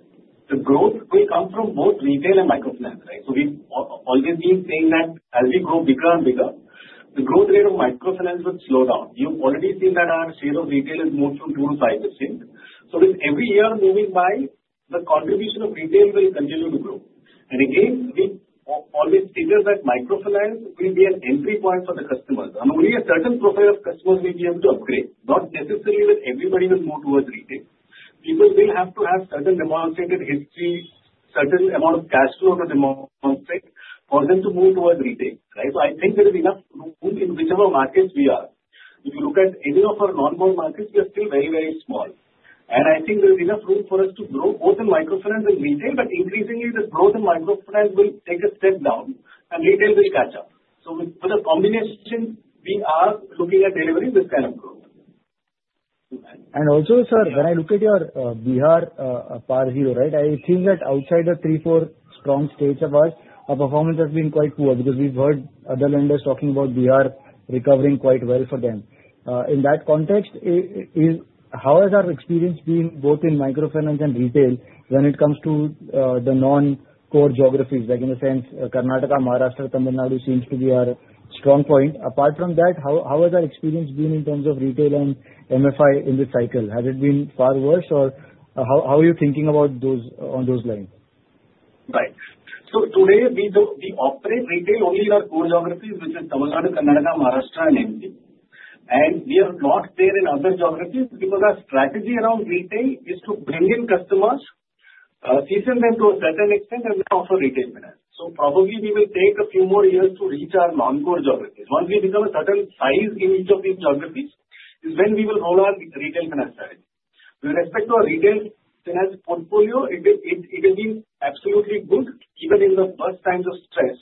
the growth will come from both retail and microfinance, right? So we've always been saying that as we grow bigger and bigger, the growth rate of microfinance will slow down. You've already seen that our share of retail is moved to 2%-5%. So with every year moving by, the contribution of retail will continue to grow. And again, we always figure that microfinance will be an entry point for the customers. And only a certain profile of customers will be able to upgrade. Not necessarily that everybody will move towards retail. People will have to have certain demonstrated history, certain amount of cash flow to demonstrate for them to move towards retail, right? So I think there is enough room in whichever markets we are. If you look at any of our non-bond markets, we are still very, very small. And I think there is enough room for us to grow both in microfinance and retail, but increasingly, the growth in microfinance will take a step down and retail will catch up. So with the combination, we are looking at delivering this kind of growth. Also, sir, when I look at your Bihar PAR 0, right? I think that outside the three, four strong states of us, our performance has been quite poor because we've heard other lenders talking about Bihar recovering quite well for them. In that context, how has our experience been both in microfinance and retail when it comes to the non-core geographies? Like, in the sense, Karnataka, Maharashtra, Tamil Nadu seems to be our strong point. Apart from that, how has our experience been in terms of retail and MFI in this cycle? Has it been far worse, or how are you thinking about those lines? Right. So today, we operate retail only in our core geographies, which is Tamil Nadu, Karnataka, Maharashtra, and Madhya Pradesh, and we are not there in other geographies because our strategy around retail is to bring in customers, season them to a certain extent, and then offer retail finance, so probably we will take a few more years to reach our non-core geographies. Once we become a certain size in each of these geographies, is when we will roll out retail finance strategy. With respect to our retail finance portfolio, it has been absolutely good. Even in the worst times of stress,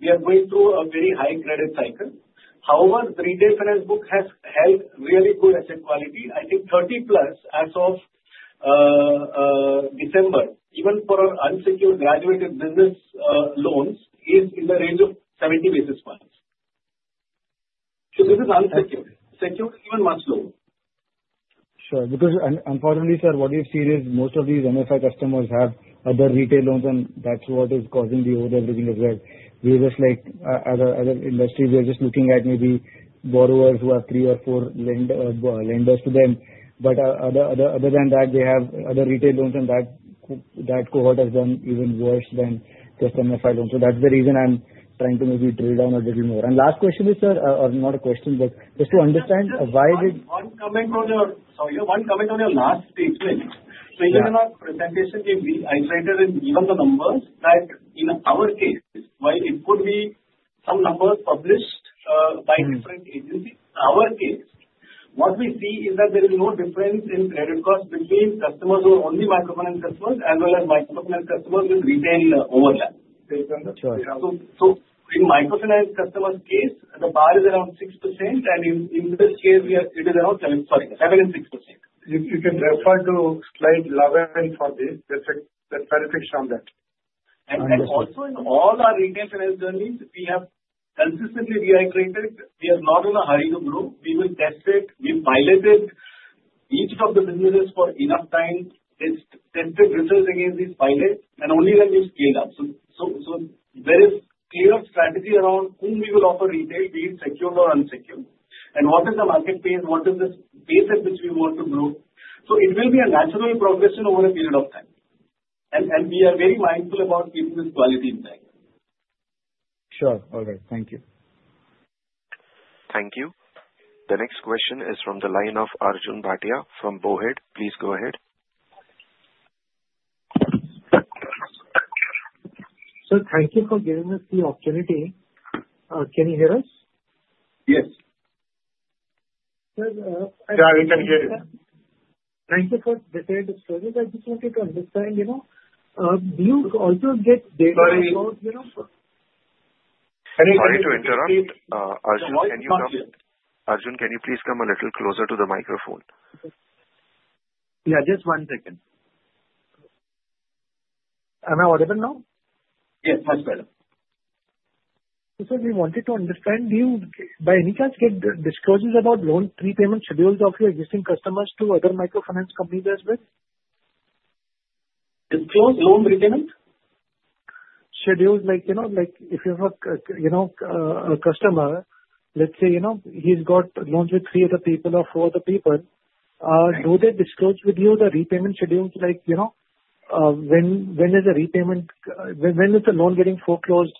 we are going through a very high credit cycle. However, the retail finance book has held really good asset quality. I think 30 plus as of December, even for our unsecured graduated business loans, is in the range of 70 basis points, so this is unsecured. Secured, even much lower. Sure. Because unfortunately, sir, what we've seen is most of these MFI customers have other retail loans, and that's what is causing the over-indebtedness as well. We're just like other industries. We're just looking at maybe borrowers who have three or four lenders to them. But other than that, they have other retail loans, and that cohort has done even worse than just MFI loans. So that's the reason I'm trying to maybe drill down a little more. And last question is, sir, or not a question, but just to understand why did. One comment on your last statement. So even in our presentation, we isolated even the numbers that in our case, while it could be some numbers published by different agencies, in our case, what we see is that there is no difference in credit costs between customers who are only microfinance customers as well as microfinance customers with retail overlap. So in microfinance customers' case, the bar is around 6%, and in this case, it is around 7, sorry, 7 and 6%. You can refer to slide 11 for this. There's a clarification on that. And also, in all our retail finance journeys, we have consistently rehydrated. We are not in a hurry to grow. We will test it. We piloted each of the businesses for enough time, tested results against these pilots, and only then we scaled up. So there is clear strategy around whom we will offer retail, be it secured or unsecured, and what is the market base, what is the base at which we want to grow. So it will be a natural progression over a period of time. And we are very mindful about keeping this quality intact. Sure. All right. Thank you. Thank you. The next question is from the line of Arjun Bhatia from BOB Capital Markets. Please go ahead. Sir, thank you for giving us the opportunity. Can you hear us? Yes. Sir, we can hear you. Thank you for the credit stories. I just wanted to understand, do you also get data about? Sorry. Sorry to interrupt. Arjun, can you come? Arjun, can you please come a little closer to the microphone? Yeah. Just one second. Am I audible now? Yes. Yes, ma'am. Sir, we wanted to understand, do you by any chance get disclosures about loan repayment schedules of your existing customers to other microfinance companies as well? Disclose loan repayment? Schedules, like if you have a customer, let's say he's got loans with three other people or four other people, do they disclose with you the repayment schedules? When is the repayment? When is the loan getting foreclosed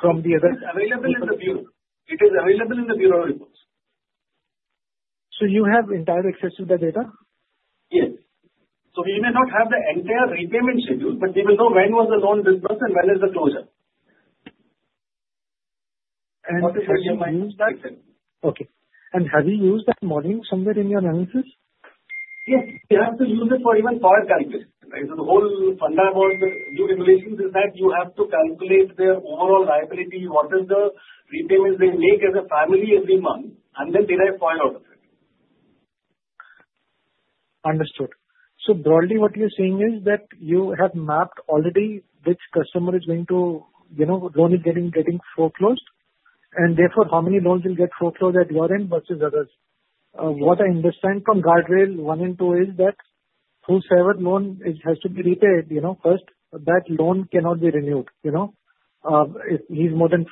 from the other? It is available in the bureau. It is available in the bureau reports. So you have entire access to the data? Yes. So we may not have the entire repayment schedule, but we will know when was the loan disbursed and when is the closure. Have you used that? Yes. Okay, and have you used that modeling somewhere in your analysis? Yes. We have to use it for even PAR calculation. The whole fundamental to regulations is that you have to calculate their overall liability, what is the repayments they make as a family every month, and then they get PAR out of it. Understood. So broadly, what you're saying is that you have mapped already which customer is going to loan is getting foreclosed, and therefore, how many loans will get foreclosed at your end versus others? What I understand from guardrail one and two is that whosoever loan has to be repaid first, that loan cannot be renewed. If he's more than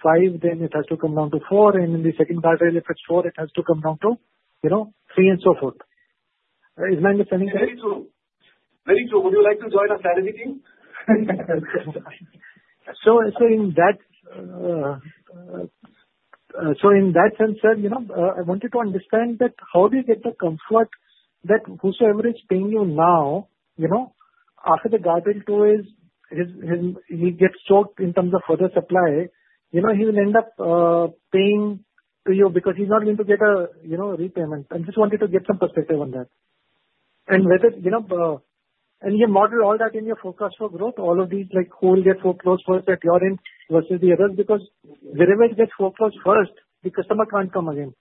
five, then it has to come down to four, and in the second guardrail, if it's four, it has to come down to three and so forth. Is my understanding correct? Very true. Very true. Would you like to join our strategy team? So in that sense, sir, I wanted to understand that how do you get the comfort that whosoever is paying you now, after the guardrail two is he gets choked in terms of further supply, he will end up paying to you because he's not going to get a repayment? I just wanted to get some perspective on that. And you model all that in your forecast for growth, all of these who will get foreclosed first at your end versus the others because wherever it gets foreclosed first, the customer can't come again.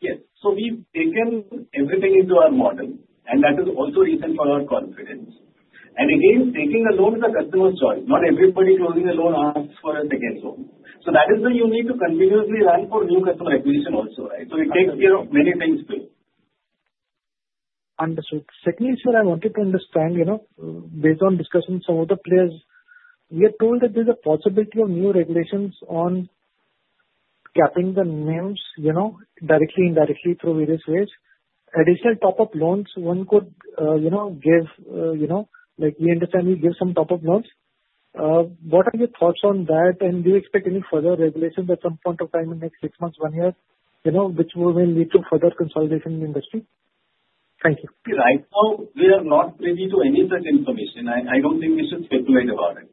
Yes, so we take everything into our model, and that is also reason for our confidence, and again, taking a loan is a customer's choice, not everybody closing a loan asks for a second loan, so that is the unique to continuously run for new customer acquisition also, right, so it takes care of many things too. Understood. Secondly, sir, I wanted to understand, based on discussions of other players, we are told that there's a possibility of new regulations on capping the names directly, indirectly, through various ways. Additional top-up loans, one could give like we understand we give some top-up loans. What are your thoughts on that, and do you expect any further regulations at some point of time in the next six months, one year, which will lead to further consolidation in the industry? Thank you. Right now, we are not privy to any such information. I don't think we should speculate about it.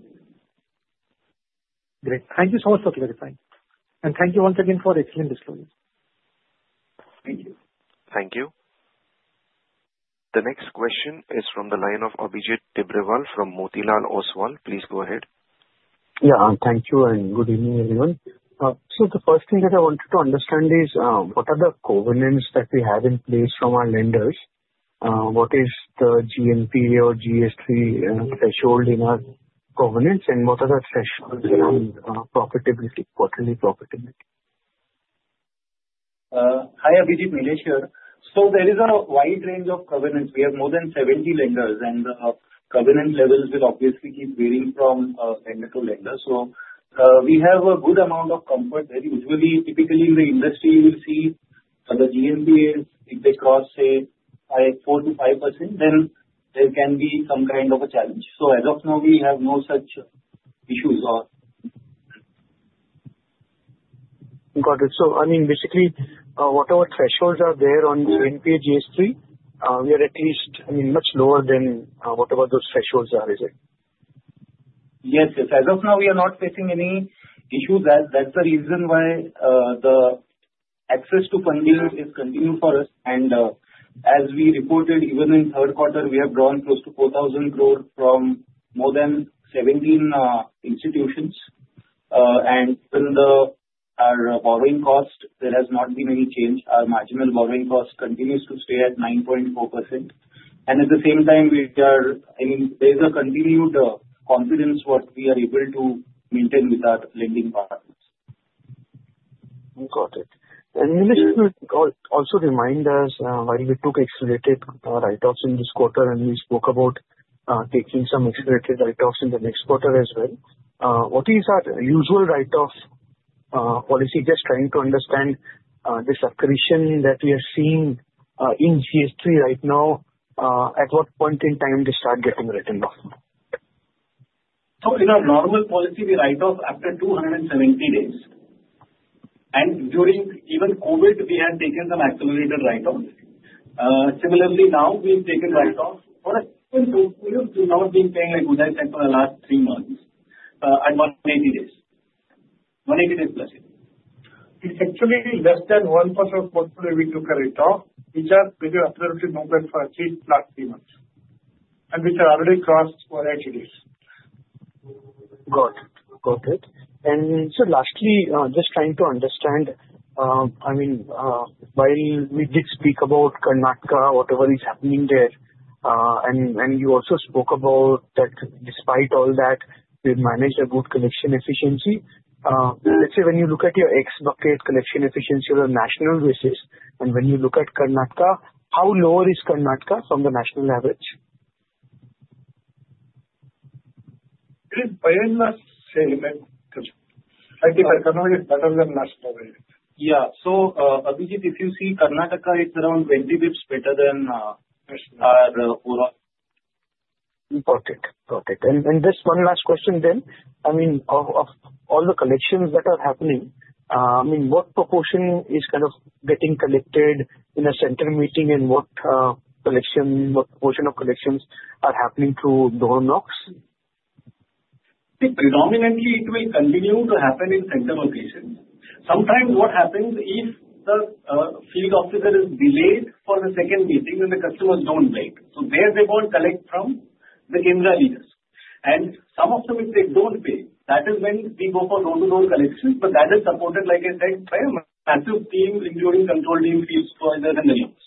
Great. Thank you so much for clarifying, and thank you once again for excellent disclosure. Thank you. Thank you. The next question is from the line of Abhijit Tibrewal from Motilal Oswal. Please go ahead. Yeah. Thank you and good evening, everyone. So the first thing that I wanted to understand is what are the covenants that we have in place from our lenders? What is the GNPA or GS3 threshold in our covenants, and what are the thresholds around quarterly profitability? Hi, Abhijit Tibrewal here. So there is a wide range of covenants. We have more than 70 lenders, and the covenant levels will obviously keep varying from lender to lender. So we have a good amount of comfort that usually, typically in the industry, you will see the GNPA is, if they cross, say, 4%-5%, then there can be some kind of a challenge. So as of now, we have no such issues or. Got it. So I mean, basically, whatever thresholds are there on GNPA and GS3, we are at least, I mean, much lower than whatever those thresholds are, is it? Yes. As of now, we are not facing any issues. That's the reason why the access to funding is continued for us. And as we reported, even in third quarter, we have drawn close to 4,000 crore from more than 17 institutions. And even our borrowing cost, there has not been any change. Our marginal borrowing cost continues to stay at 9.4%. And at the same time, we are I mean, there is a continued confidence what we are able to maintain with our lending partners. Got it. And Nilesh, could you also remind us, while we took accelerated write-offs in this quarter and we spoke about taking some accelerated write-offs in the next quarter as well, what is our usual write-off policy? Just trying to understand this addition that we are seeing in GNPA right now, at what point in time do you start getting written off? So in our normal policy, we write off after 270 days. And during even COVID, we had taken some accelerated write-offs. Similarly, now we've taken write-offs for a portfolio that is not being paid, like Uday said, for the last three months at 180 days. 180 days plus. It's actually less than 1% of portfolio we took a write-off, which are very accurate numbers for at least last three months, and which are already crossed 480 days. Got it. Got it. And so lastly, just trying to understand, I mean, while we did speak about Karnataka, whatever is happening there, and you also spoke about that despite all that, we've managed a good collection efficiency. Let's say when you look at your ex-bucket collection efficiency on a national basis, and when you look at Karnataka, how lower is Karnataka from the national average? In a nutshell, I think Karnataka is better than last quarter. Yeah. So Abhijit, if you see Karnataka, it's around 20 basis points better than our overall. Got it. Got it. And just one last question then. I mean, of all the collections that are happening, I mean, what proportion is kind of getting collected in a center meeting, and what portion of collections are happening through door knocks? Predominantly, it will continue to happen in center locations. Sometimes what happens is the field officer is delayed for the second meeting, and the customers don't pay. So there they won't collect from the Kendra leaders. And some of them, if they don't pay, that is when we go for door-to-door collection, but that is supported, like I said, by a massive team, including control teams, field supervisors, and the likes.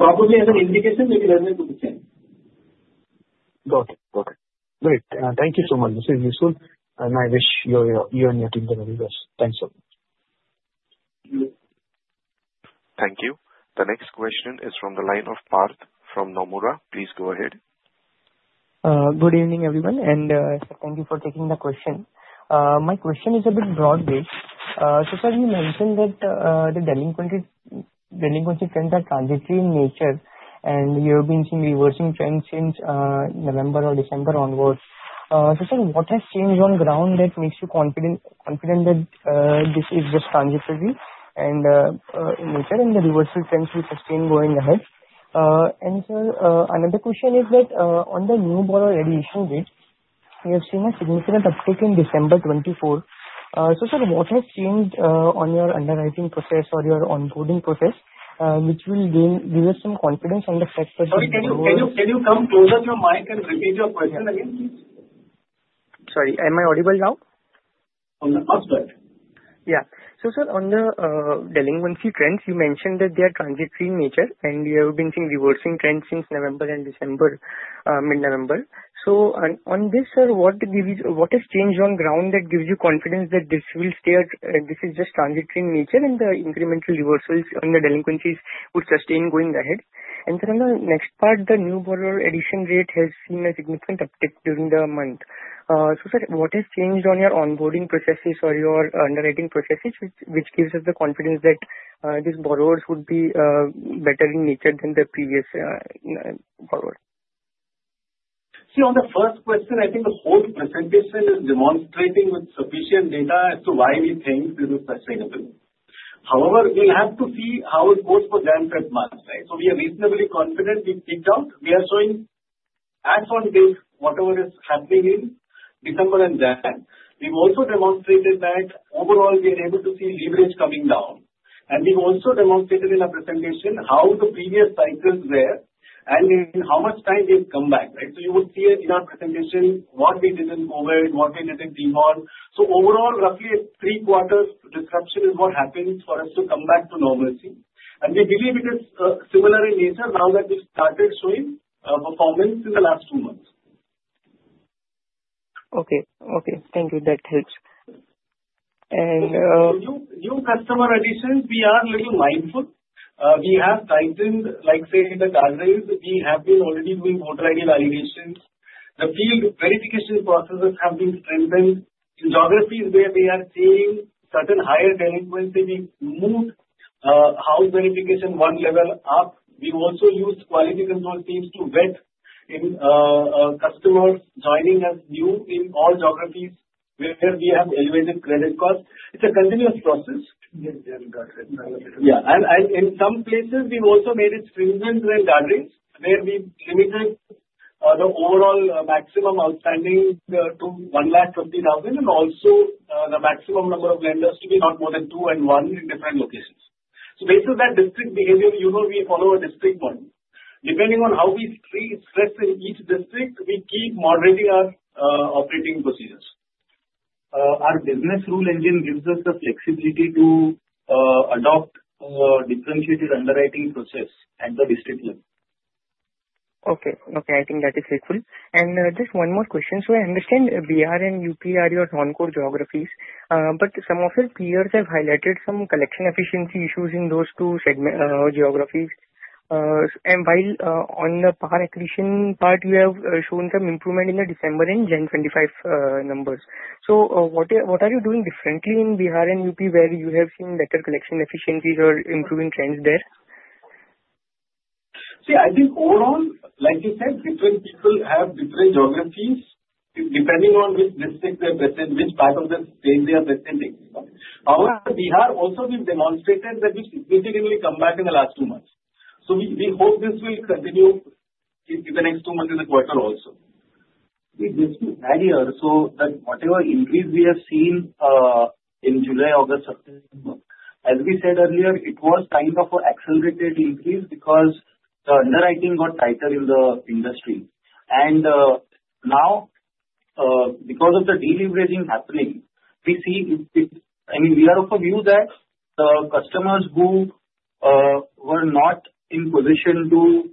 Probably as an indication, maybe there's a good chance. Got it. Got it. Great. Thank you so much. This is useful, and I wish you and your team the very best. Thanks a lot. Thank you. The next question is from the line of Parth from Nomura. Please go ahead. Good evening, everyone, and thank you for taking the question. My question is a bit broad-based. So sir, you mentioned that the delinquency trends are transitory in nature, and you have been seeing reversing trends since November or December onwards. So sir, what has changed on ground that makes you confident that this is just transitory in nature and the reversal trends we sustain going ahead? And sir, another question is that on the new borrower addition bit, we have seen a significant uptick in December 2024. So sir, what has changed on your underwriting process or your onboarding process, which will give us some confidence on the fact that. Sorry, can you come closer to your mic and repeat your question again? Sorry, am I audible now? On the outside. Yeah. So sir, on the delinquency trends, you mentioned that they are transitory in nature, and we have been seeing reversing trends since November and December, mid-November. So on this, sir, what has changed on ground that gives you confidence that this will stay at this is just transitory in nature and the incremental reversals on the delinquencies would sustain going ahead? And sir, on the next part, the new borrower addition rate has seen a significant uptick during the month. So sir, what has changed on your onboarding processes or your underwriting processes, which gives us the confidence that these borrowers would be better in nature than the previous borrower? See, on the first question, I think the whole presentation is demonstrating with sufficient data as to why we think this is sustainable. However, we'll have to see how it goes for them that month, right? So we are reasonably confident we picked out. We are showing as on date, whatever is happening in December and that. We've also demonstrated that overall, we are able to see leverage coming down. And we've also demonstrated in our presentation how the previous cycles were and in how much time they've come back, right? So you will see in our presentation what we did in COVID, what we did in DeMo. So overall, roughly three-quarters disruption is what happens for us to come back to normalcy. And we believe it is similar in nature now that we've started showing performance in the last two months. Okay. Thank you. That helps. And. New customer additions, we are a little mindful. We have tightened, like say in the guardrails, we have been already doing voter ID validations. The field verification processes have been strengthened. In geographies where we are seeing certain higher delinquency, we moved house verification one level up. We also used quality control teams to vet in customers joining as new in all geographies where we have elevated credit costs. It's a continuous process. Yes. Got it. Yeah. And in some places, we've also made it stringent in guardrails where we limited the overall maximum outstanding to 150,000 and also the maximum number of lenders to be not more than two and one in different locations. So based on that district behavior, we follow a district model. Depending on how we see stress in each district, we keep moderating our operating procedures. Our business rule engine gives us the flexibility to adopt a differentiated underwriting process at the district level. Okay. Okay. I think that is helpful. And just one more question. So I understand BR and UP are your non-core geographies, but some of your peers have highlighted some collection efficiency issues in those two geographies. And while on the PAR accretion part, you have shown some improvement in the December and 3Q '25 numbers. So what are you doing differently in BR and UP where you have seen better collection efficiencies or improving trends there? See, I think overall, like you said, different people have different geographies depending on which district they are present, which part of the state they are presenting. However, Bihar also we've demonstrated that we've significantly come back in the last two months. So we hope this will continue in the next two months and the quarter also. We just need earlier so that whatever increase we have seen in July, August, September, as we said earlier, it was kind of an accelerated increase because the underwriting got tighter in the industry. And now, because of the deleveraging happening, we see it's I mean, we are of a view that the customers who were not in position to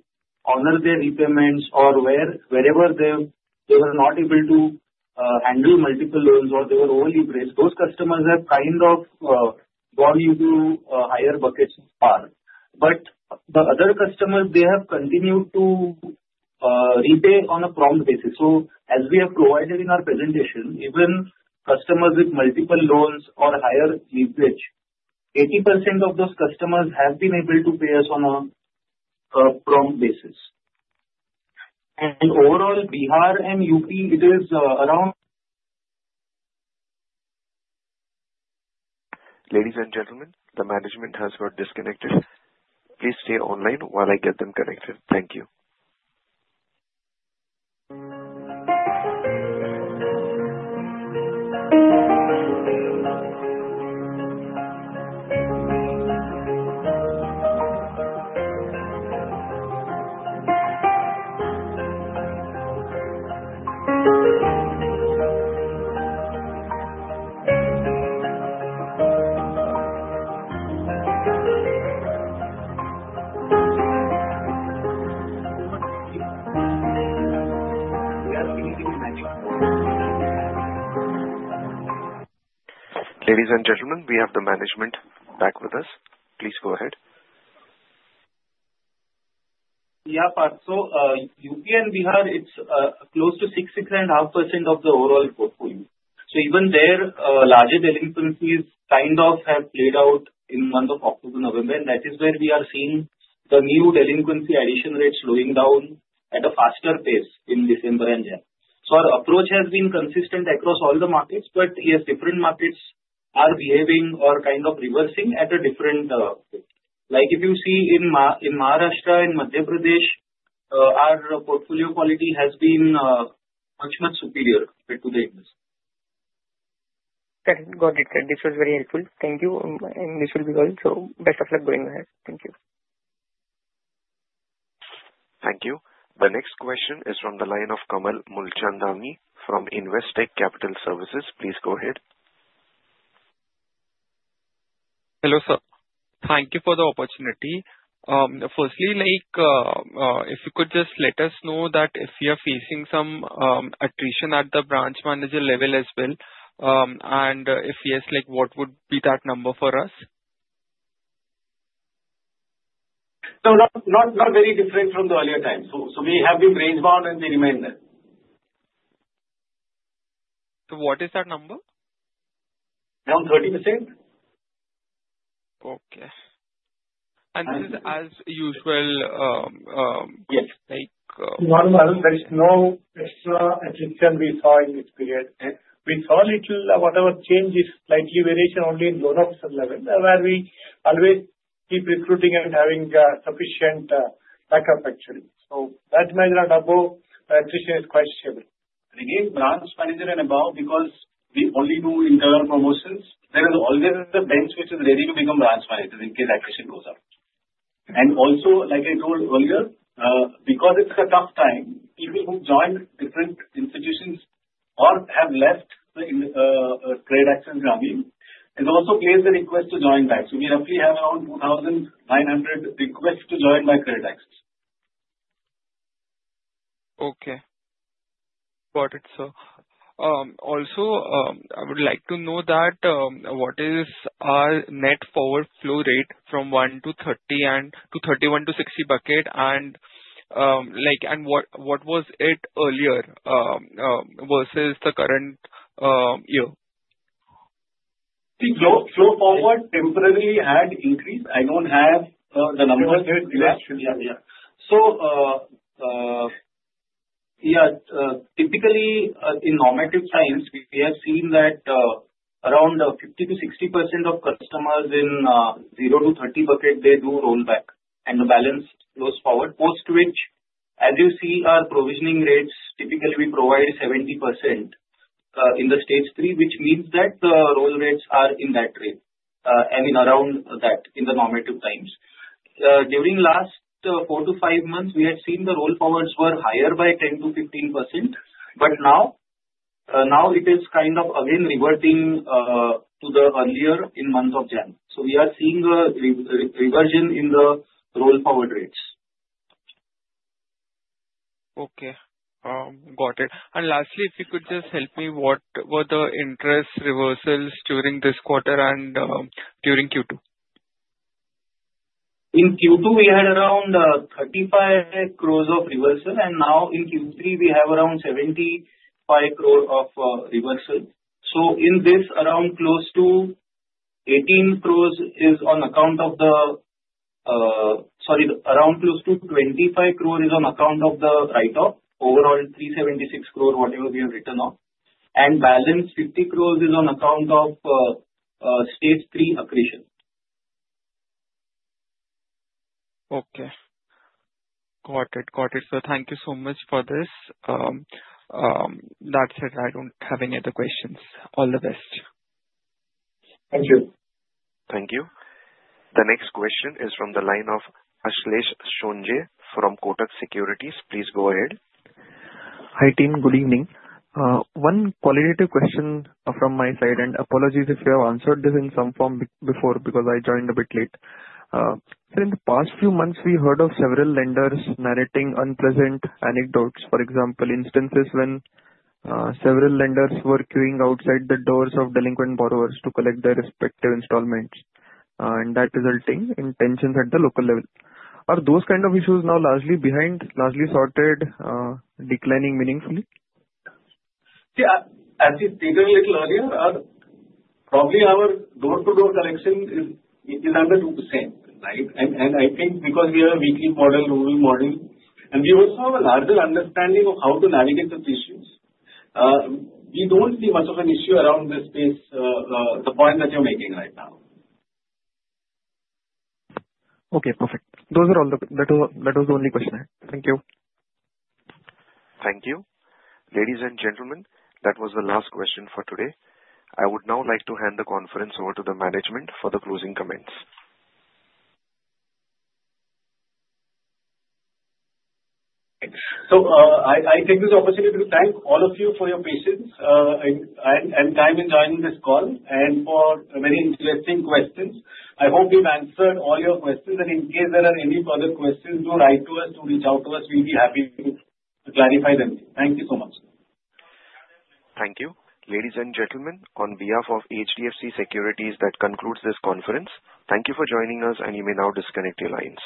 honor their repayments or wherever they were not able to handle multiple loans or they were over-leveraged, those customers have kind of gone into higher buckets of PAR. But the other customers, they have continued to repay on a prompt basis. So as we have provided in our presentation, even customers with multiple loans or higher leverage, 80% of those customers have been able to pay us on a prompt basis. And overall, BR and UP, it is around. Ladies and gentlemen, the management has got disconnected. Please stay online while I get them connected. Thank you. Ladies and gentlemen, we have the management back with us. Please go ahead. Yeah. So UP and BR, it's close to 6-6.5% of the overall portfolio. So even there, larger delinquencies kind of have played out in the month of October-November, and that is where we are seeing the new delinquency addition rates slowing down at a faster pace in December and January. So our approach has been consistent across all the markets, but yes, different markets are behaving or kind of reversing at a different rate. Like if you see in Maharashtra and Madhya Pradesh, our portfolio quality has been much, much superior compared to the industry. Got it. Got it. This was very helpful. Thank you, and this will be good, so best of luck going ahead. Thank you. Thank you. The next question is from the line of Kamal Mulchandani from Investec. Please go ahead. Hello sir. Thank you for the opportunity. Firstly, if you could just let us know that if you are facing some attrition at the branch manager level as well, and if yes, what would be that number for us? So not very different from the earlier times. So we have been rangebound, and we remain there. So what is that number? Around 30%. Okay. And this is as usual? Yes. Normally, there is no extra attrition we saw in this period. We saw little whatever changes, slight variation only in loan officer level where we always keep recruiting and having sufficient backup actually. So that measure on top of attrition is quite stable. Again, branch manager and above because we only do internal promotions, there is always the bench which is ready to become branch managers in case attrition goes up. And also, like I told earlier, because it's a tough time, people who joined different institutions or have left the CreditAccess journey is also placed the request to join back. So we roughly have around 2,900 requests to join back CreditAccess. Okay. Got it, sir. Also, I would like to know that what is our net PAR flow rate from 1 to 30 and 31 to 60 bucket, and what was it earlier versus the current year? See, roll forward temporarily had increased. I don't have the numbers yet. So yeah, typically in normative times, we have seen that around 50%-60% of customers in 0 to 30 bucket, they do roll back and the balance goes forward, post which, as you see, our provisioning rates typically we provide 70% in the stage three, which means that the roll rates are in that range and in around that in the normative times. During last four to five months, we had seen the roll forwards were higher by 10%-15%, but now it is kind of again reverting to the earlier in month of January. So we are seeing a reversion in the roll forward rates. Okay. Got it. And lastly, if you could just help me, what were the interest reversals during this quarter and during Q2? In Q2, we had around 35 crores of reversal, and now in Q3, we have around 75 crore of reversal. So in this, around close to 18 crores is on account of the sorry, around close to 25 crore is on account of the write-off, overall 376 crore, whatever we have written off. And balance 50 crores is on account of stage three accretion. Okay. Got it. Got it, sir. Thank you so much for this. That's it. I don't have any other questions. All the best. Thank you. Thank you. The next question is from the line of Ashlesh Sonje from Kotak Securities. Please go ahead. Hi team, good evening. One qualitative question from my side, and apologies if you have answered this in some form before because I joined a bit late. Sir, in the past few months, we heard of several lenders narrating unpleasant anecdotes, for example, instances when several lenders were queuing outside the doors of delinquent borrowers to collect their respective installments, and that resulting in tensions at the local level. Are those kind of issues now largely sorted, declining meaningfully? See, as you stated a little earlier, probably our door-to-door collection is not the same, right? And I think because we have a weekly modeled rural model, and we also have a larger understanding of how to navigate those issues, we don't see much of an issue around this space, the point that you're making right now. Okay. Perfect. Those are all. That was the only question. Thank you. Thank you. Ladies and gentlemen, that was the last question for today. I would now like to hand the conference over to the management for the closing comments. So I take this opportunity to thank all of you for your patience and time in joining this call and for very interesting questions. I hope we've answered all your questions, and in case there are any further questions, do write to us, do reach out to us. We'll be happy to clarify them. Thank you so much. Thank you. Ladies and gentlemen, on behalf of HDFC Securities, that concludes this conference. Thank you for joining us, and you may now disconnect your lines.